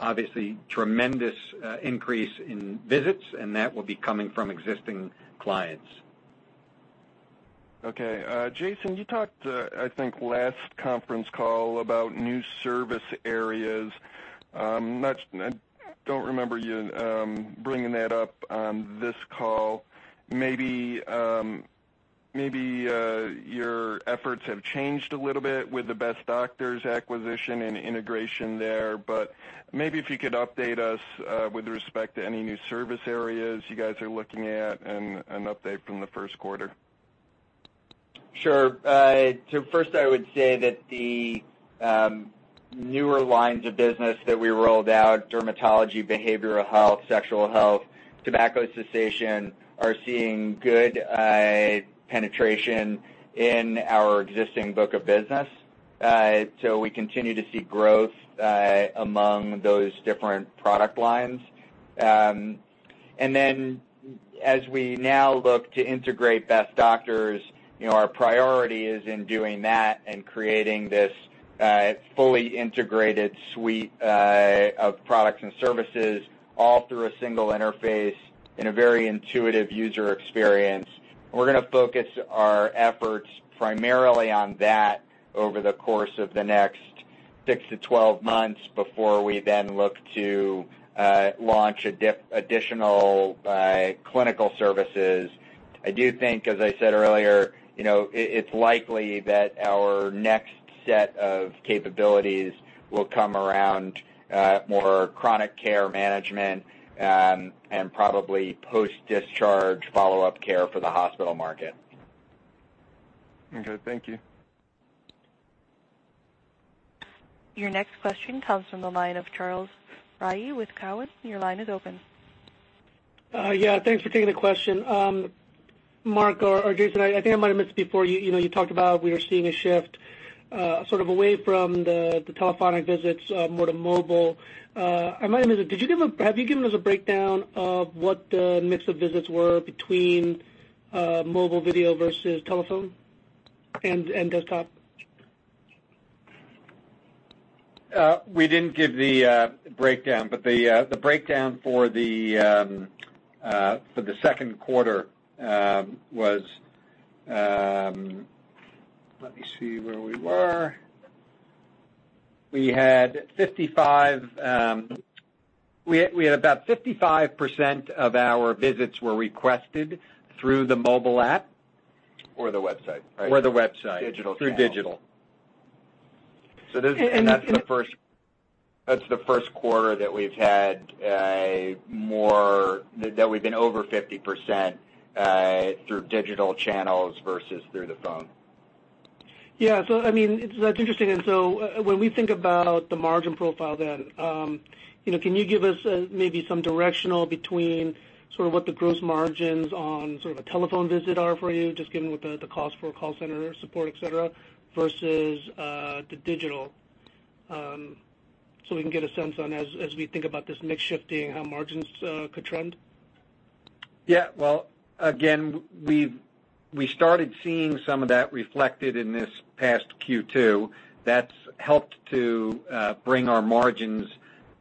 obviously, tremendous increase in visits, and that will be coming from existing clients. Jason, you talked, I think, last conference call about new service areas. I don't remember you bringing that up on this call. Maybe your efforts have changed a little bit with the Best Doctors acquisition and integration there, but maybe if you could update us with respect to any new service areas you guys are looking at and an update from the first quarter. First, I would say that the newer lines of business that we rolled out, dermatology, behavioral health, sexual health, tobacco cessation, are seeing good penetration in our existing book of business. We continue to see growth among those different product lines. Then as we now look to integrate Best Doctors, our priority is in doing that and creating this fully integrated suite of products and services all through a single interface in a very intuitive user experience. We're going to focus our efforts primarily on that over the course of the next 6-12 months before we then look to launch additional clinical services. I do think, as I said earlier, it's likely that our next set of capabilities will come around more chronic care management, and probably post-discharge follow-up care for the hospital market. Okay. Thank you. Your next question comes from the line of Charles Rhyee with Cowen. Your line is open. Yeah. Thanks for taking the question. Mark or Jason, I think I might have missed before, you talked about we were seeing a shift sort of away from the telephonic visits, more to mobile. I might have missed it. Have you given us a breakdown of what the mix of visits were between mobile video versus telephone and desktop? We didn't give the breakdown, but the breakdown for the second quarter was. Let me see where we were. We had about 55% of our visits were requested through the mobile app. The website. The website. Digital channel. Through digital. And- That's the first quarter that we've been over 50% through digital channels versus through the phone. Yeah. That's interesting. When we think about the margin profile, then, can you give us maybe some directional between sort of what the gross margins on sort of a telephone visit are for you, just given what the cost for a call center support, et cetera, versus the digital? We can get a sense on, as we think about this mix shifting, how margins could trend. Yeah. Well, again, we started seeing some of that reflected in this past Q2. That's helped to bring our margins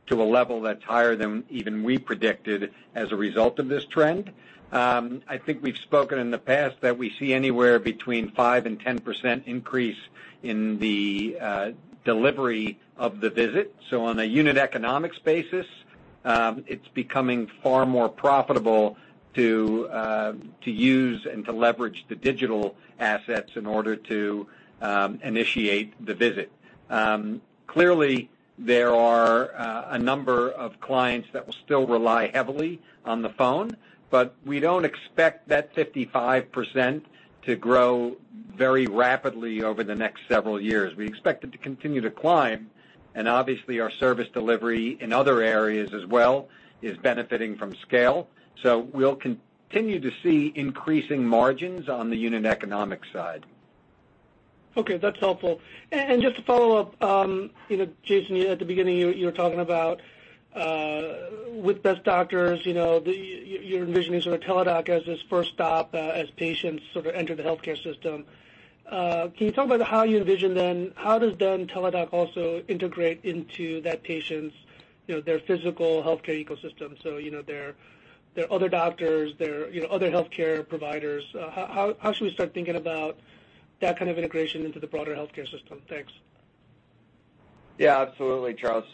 to a level that's higher than even we predicted as a result of this trend. I think we've spoken in the past that we see anywhere between 5% and 10% increase in the delivery of the visit. On a unit economics basis, it's becoming far more profitable to use and to leverage the digital assets in order to initiate the visit. Clearly, there are a number of clients that will still rely heavily on the phone, but we don't expect that 55% to grow very rapidly over the next several years. We expect it to continue to climb, and obviously, our service delivery in other areas as well is benefiting from scale. We'll continue to see increasing margins on the unit economics side. Okay. That's helpful. Just to follow up, Jason, at the beginning, you were talking about with Best Doctors, you're envisioning sort of Teladoc as this first stop as patients sort of enter the healthcare system. Can you talk about how you envision then, how does then Teladoc also integrate into that patient's physical healthcare ecosystem? Their other doctors, their other healthcare providers. How should we start thinking about that kind of integration into the broader healthcare system? Thanks. Yeah, absolutely, Charles.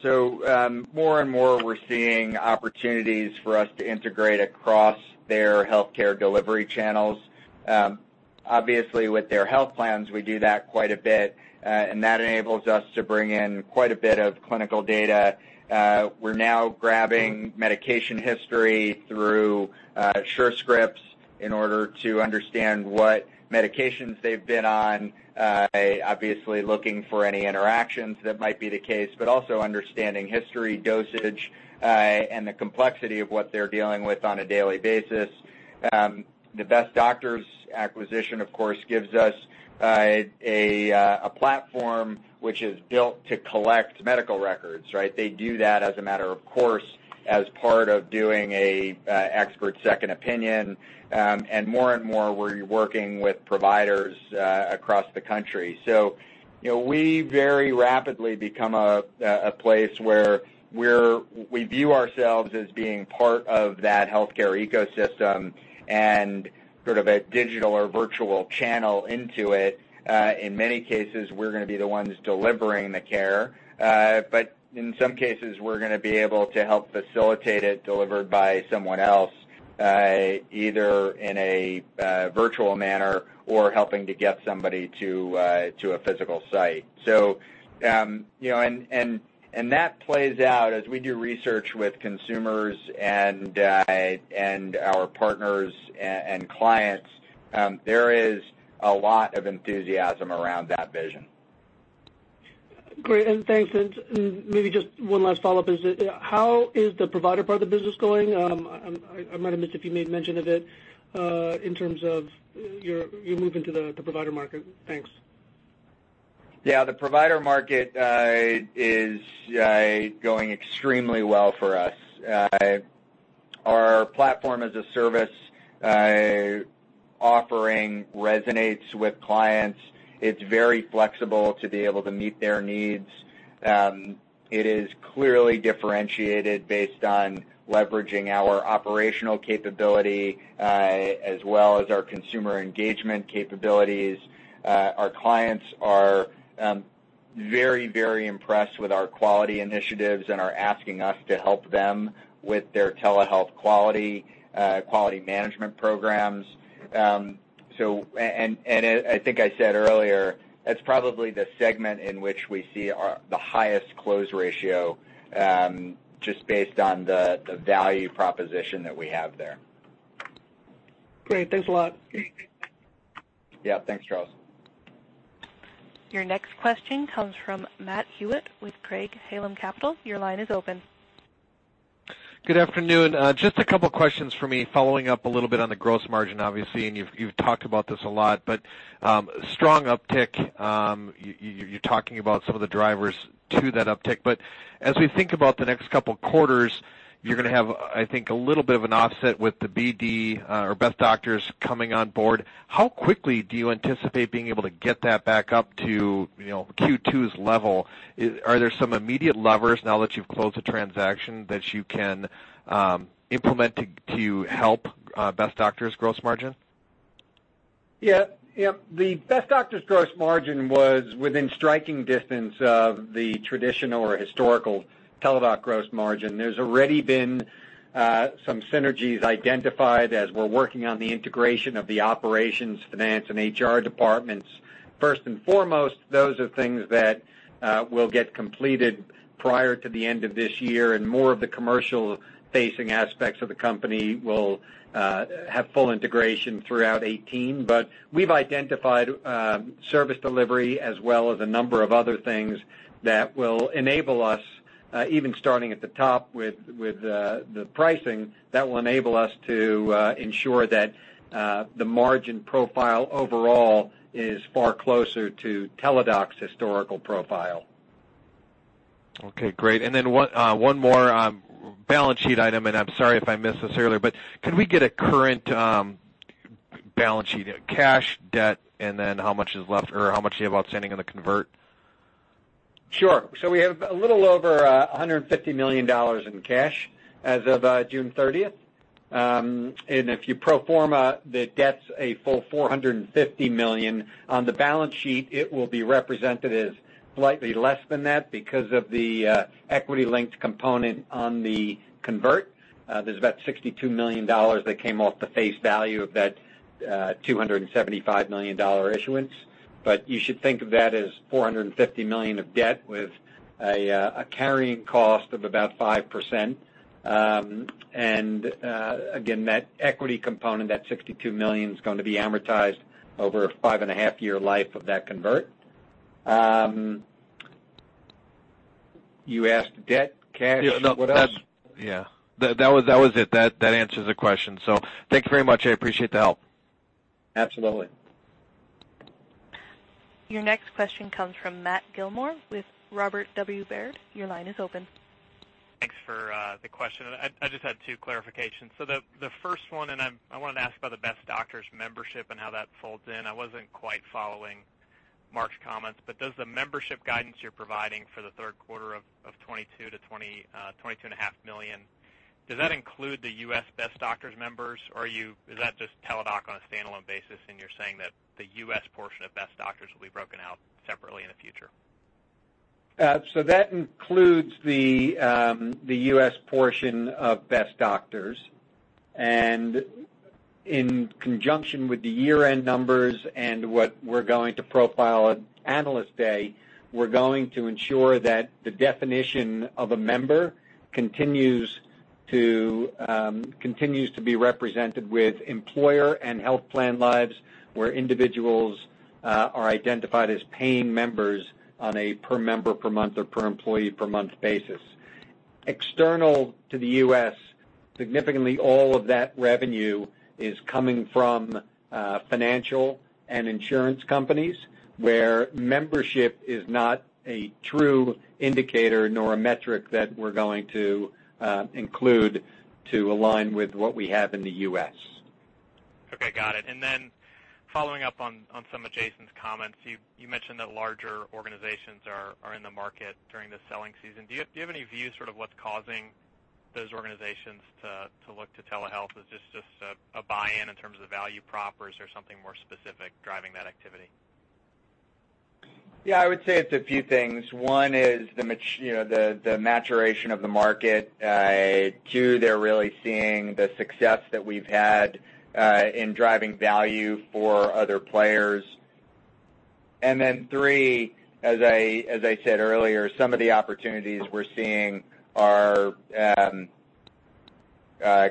More and more, we're seeing opportunities for us to integrate across their healthcare delivery channels. Obviously, with their health plans, we do that quite a bit, and that enables us to bring in quite a bit of clinical data. We're now grabbing medication history through Surescripts in order to understand what medications they've been on, obviously looking for any interactions that might be the case, but also understanding history, dosage, and the complexity of what they're dealing with on a daily basis. The Best Doctors acquisition, of course, gives us a platform which is built to collect medical records, right? They do that as a matter of course, as part of doing a expert second opinion, and more and more, we're working with providers across the country. We very rapidly become a place where we view ourselves as being part of that healthcare ecosystem and sort of a digital or virtual channel into it. In many cases, we're gonna be the ones delivering the care. In some cases, we're gonna be able to help facilitate it delivered by someone else, either in a virtual manner or helping to get somebody to a physical site. That plays out as we do research with consumers and our partners and clients. There is a lot of enthusiasm around that vision. Great. Thanks. Maybe just one last follow-up is, how is the provider part of the business going? I might have missed if you made mention of it, in terms of your move into the provider market. Thanks. Yeah. The provider market is going extremely well for us. Our platform as a service offering resonates with clients. It's very flexible to be able to meet their needs. It is clearly differentiated based on leveraging our operational capability, as well as our consumer engagement capabilities. Our clients are very impressed with our quality initiatives and are asking us to help them with their telehealth quality management programs. I think I said earlier, that's probably the segment in which we see the highest close ratio, just based on the value proposition that we have there. Great. Thanks a lot. Yeah. Thanks, Charles. Your next question comes from Matt Hewitt with Craig-Hallum Capital. Your line is open. Good afternoon. Just a couple of questions from me, following up a little bit on the gross margin, obviously, and you've talked about this a lot. Strong uptick, you're talking about some of the drivers to that uptick. As we think about the next couple of quarters, you're going to have, I think, a little bit of an offset with the BD or Best Doctors coming on board. How quickly do you anticipate being able to get that back up to Q2's level? Are there some immediate levers now that you've closed the transaction that you can implement to help Best Doctors' gross margin? Yeah. The Best Doctors gross margin was within striking distance of the traditional or historical Teladoc gross margin. There's already been some synergies identified as we're working on the integration of the operations, finance, and HR departments. First and foremost, those are things that will get completed prior to the end of this year, and more of the commercial-facing aspects of the company will have full integration throughout 2018. We've identified service delivery as well as a number of other things that will enable us, even starting at the top with the pricing, that will enable us to ensure that the margin profile overall is far closer to Teladoc's historical profile. Okay, great. One more balance sheet item, and I'm sorry if I missed this earlier, can we get a current balance sheet cash, debt, and then how much you have outstanding on the convert? Sure. We have a little over $150 million in cash as of June 30th. If you pro forma the debts a full $450 million on the balance sheet, it will be represented as slightly less than that because of the equity-linked component on the convert. There's about $62 million that came off the face value of that $275 million issuance. You should think of that as $450 million of debt with a carrying cost of about 5%. Again, that equity component, that $62 million, is going to be amortized over a five-and-a-half year life of that convert. You asked debt, cash, what else? Yeah, that was it. That answers the question. Thank you very much. I appreciate the help. Absolutely. Your next question comes from Matthew Gillmor with Robert W. Baird. Your line is open. Thanks for the question. I just had two clarifications. The first one, I wanted to ask about the Best Doctors membership and how that folds in. I wasn't quite following Mark's comments, but does the membership guidance you're providing for the third quarter of $22.5 million, does that include the U.S. Best Doctors members, or is that just Teladoc on a standalone basis, and you're saying that the U.S. portion of Best Doctors will be broken out separately in the future? That includes the U.S. portion of Best Doctors. In conjunction with the year-end numbers and what we're going to profile at Analyst Day, we're going to ensure that the definition of a member continues to be represented with employer and health plan lives, where individuals are identified as paying members on a per-member per month or per-employee per month basis. External to the U.S., significantly all of that revenue is coming from financial and insurance companies, where membership is not a true indicator nor a metric that we're going to include to align with what we have in the U.S. Okay, got it. Following up on some of Jason's comments, you mentioned that larger organizations are in the market during the selling season. Do you have any view sort of what's causing those organizations to look to telehealth? Is this just a buy-in in terms of value prop, or is there something more specific driving that activity? Yeah, I would say it's a few things. One is the maturation of the market. Two, they're really seeing the success that we've had in driving value for other players. Three, as I said earlier, some of the opportunities we're seeing are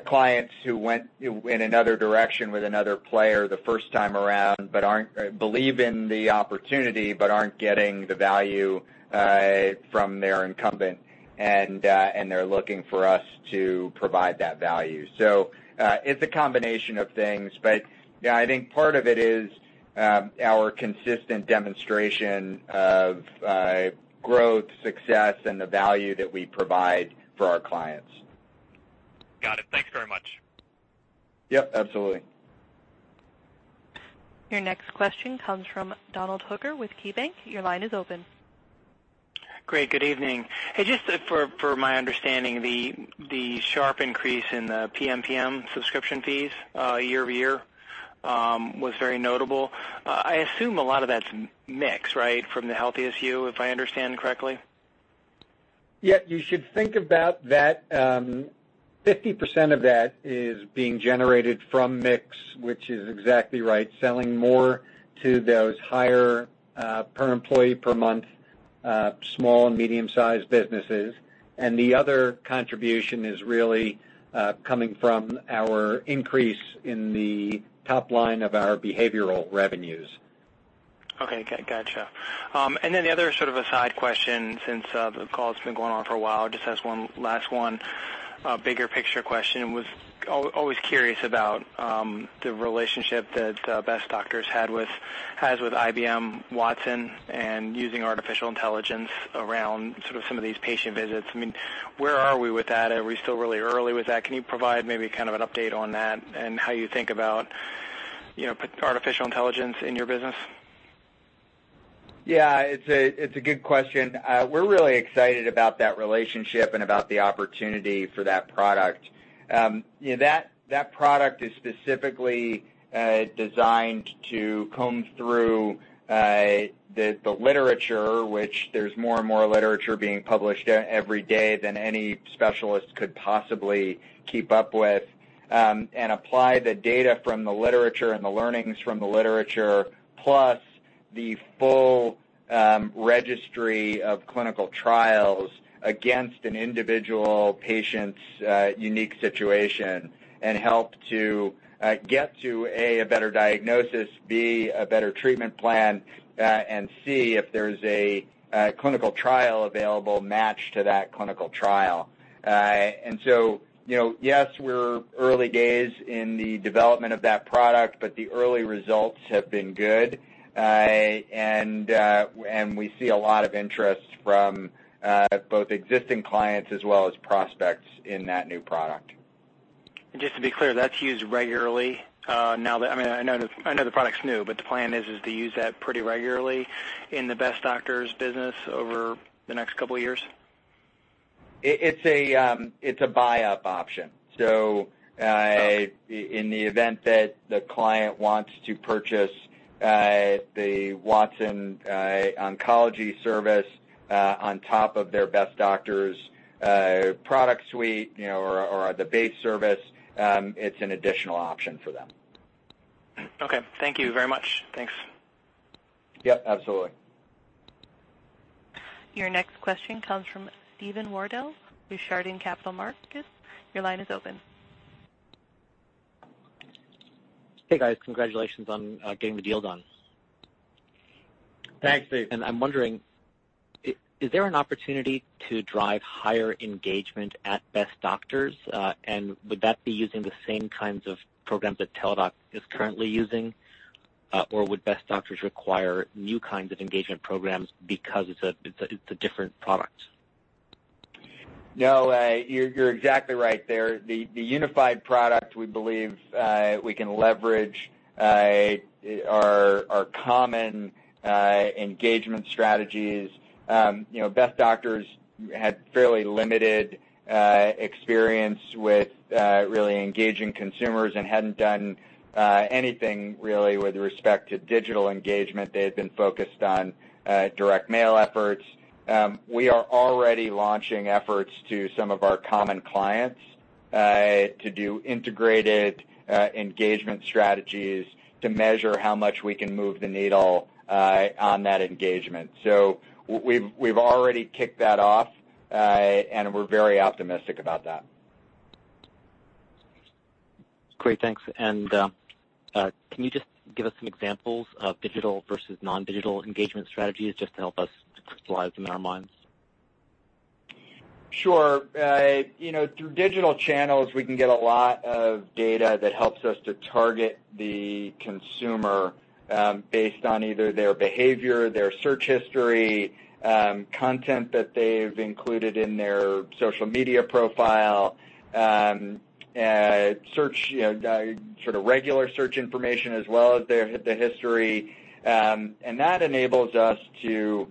clients who went in another direction with another player the first time around, believe in the opportunity, but aren't getting the value from their incumbent, and they're looking for us to provide that value. It's a combination of things, but yeah, I think part of it is our consistent demonstration of growth, success, and the value that we provide for our clients. Got it. Thanks very much. Yep, absolutely. Your next question comes from Donald Hooker with KeyBanc. Your line is open. Great. Good evening. Just for my understanding, the sharp increase in the PMPM subscription fees year-over-year was very notable. I assume a lot of that's mix, right? From the HealthiestYou, if I understand correctly. Yes, you should think about that 50% of that is being generated from mix, which is exactly right, selling more to those higher, per employee per month, small and medium-sized businesses. The other contribution is really coming from our increase in the top line of our behavioral revenues. Okay. Got you. The other sort of a side question, since the call has been going on for a while, just as one last one bigger picture question, was always curious about the relationship that Best Doctors has with IBM Watson and using artificial intelligence around some of these patient visits. Where are we with that? Are we still really early with that? Can you provide maybe kind of an update on that and how you think about artificial intelligence in your business? Yeah, it's a good question. We're really excited about that relationship and about the opportunity for that product. That product is specifically designed to comb through the literature, which there's more and more literature being published every day than any specialist could possibly keep up with, and apply the data from the literature and the learnings from the literature, plus the full registry of clinical trials against an individual patient's unique situation, and help to get to, A, a better diagnosis, B, a better treatment plan, and C, if there's a clinical trial available, match to that clinical trial. So, yes, we're early days in the development of that product, but the early results have been good. We see a lot of interest from both existing clients as well as prospects in that new product. Just to be clear, that's used regularly now. I know the product's new, but the plan is to use that pretty regularly in the Best Doctors business over the next couple of years? It's a buy-up option. In the event that the client wants to purchase the Watson Oncology service on top of their Best Doctors product suite or the base service, it's an additional option for them. Okay. Thank you very much. Thanks. Yes, absolutely. Your next question comes from Steven Wardell with Chardan Capital Markets. Your line is open. Hey, guys. Congratulations on getting the deal done. Thanks, Steve. I'm wondering, is there an opportunity to drive higher engagement at Best Doctors? Would that be using the same kinds of programs that Teladoc is currently using? Would Best Doctors require new kinds of engagement programs because it's a different product? No, you're exactly right there. The unified product, we believe we can leverage our common engagement strategies. Best Doctors had fairly limited experience with really engaging consumers and hadn't done anything really with respect to digital engagement. They had been focused on direct mail efforts. We are already launching efforts to some of our common clients to do integrated engagement strategies to measure how much we can move the needle on that engagement. We've already kicked that off, and we're very optimistic about that. Great, thanks. Can you just give us some examples of digital versus non-digital engagement strategies just to help us crystallize them in our minds? Sure. Through digital channels, we can get a lot of data that helps us to target the consumer based on either their behavior, their search history, content that they've included in their social media profile, sort of regular search information, as well as the history. That enables us to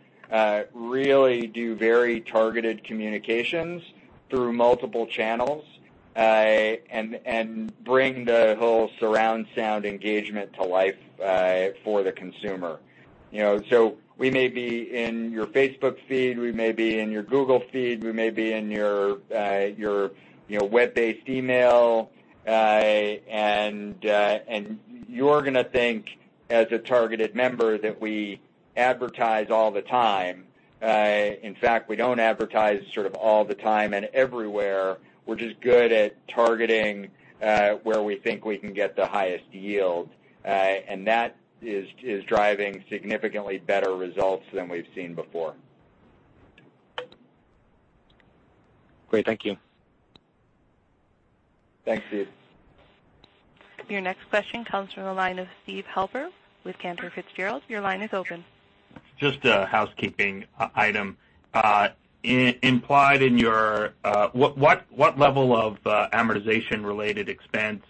really do very targeted communications through multiple channels and bring the whole surround sound engagement to life for the consumer. We may be in your Facebook feed, we may be in your Google feed, we may be in your web-based email, and you're going to think, as a targeted member, that we advertise all the time. In fact, we don't advertise sort of all the time and everywhere. We're just good at targeting where we think we can get the highest yield. That is driving significantly better results than we've seen before. Great. Thank you. Thanks, Steve. Your next question comes from the line of Steven Halper with Cantor Fitzgerald. Your line is open. Just a housekeeping item. What level of amortization-related expense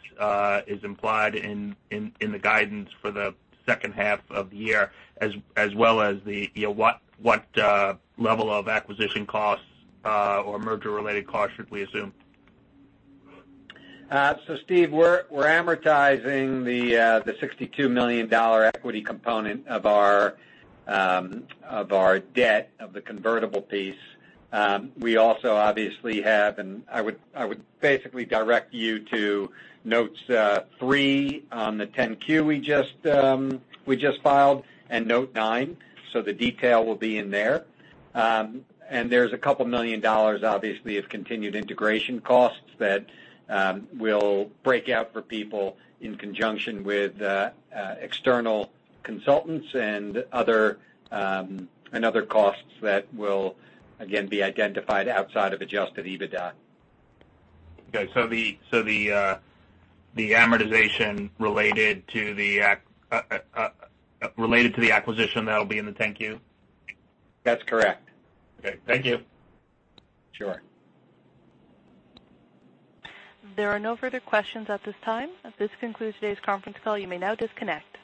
is implied in the guidance for the second half of the year, as well as what level of acquisition costs or merger-related costs should we assume? Steve, we're amortizing the $62 million equity component of our debt of the convertible piece. We also obviously have, and I would basically direct you to notes three on the 10-Q we just filed and note nine, so the detail will be in there. There's a couple million dollars, obviously, of continued integration costs that we'll break out for people in conjunction with external consultants and other costs that will again be identified outside of adjusted EBITDA. Okay, the amortization related to the acquisition, that'll be in the 10-Q? That's correct. Okay. Thank you. Sure. There are no further questions at this time. This concludes today's conference call. You may now disconnect.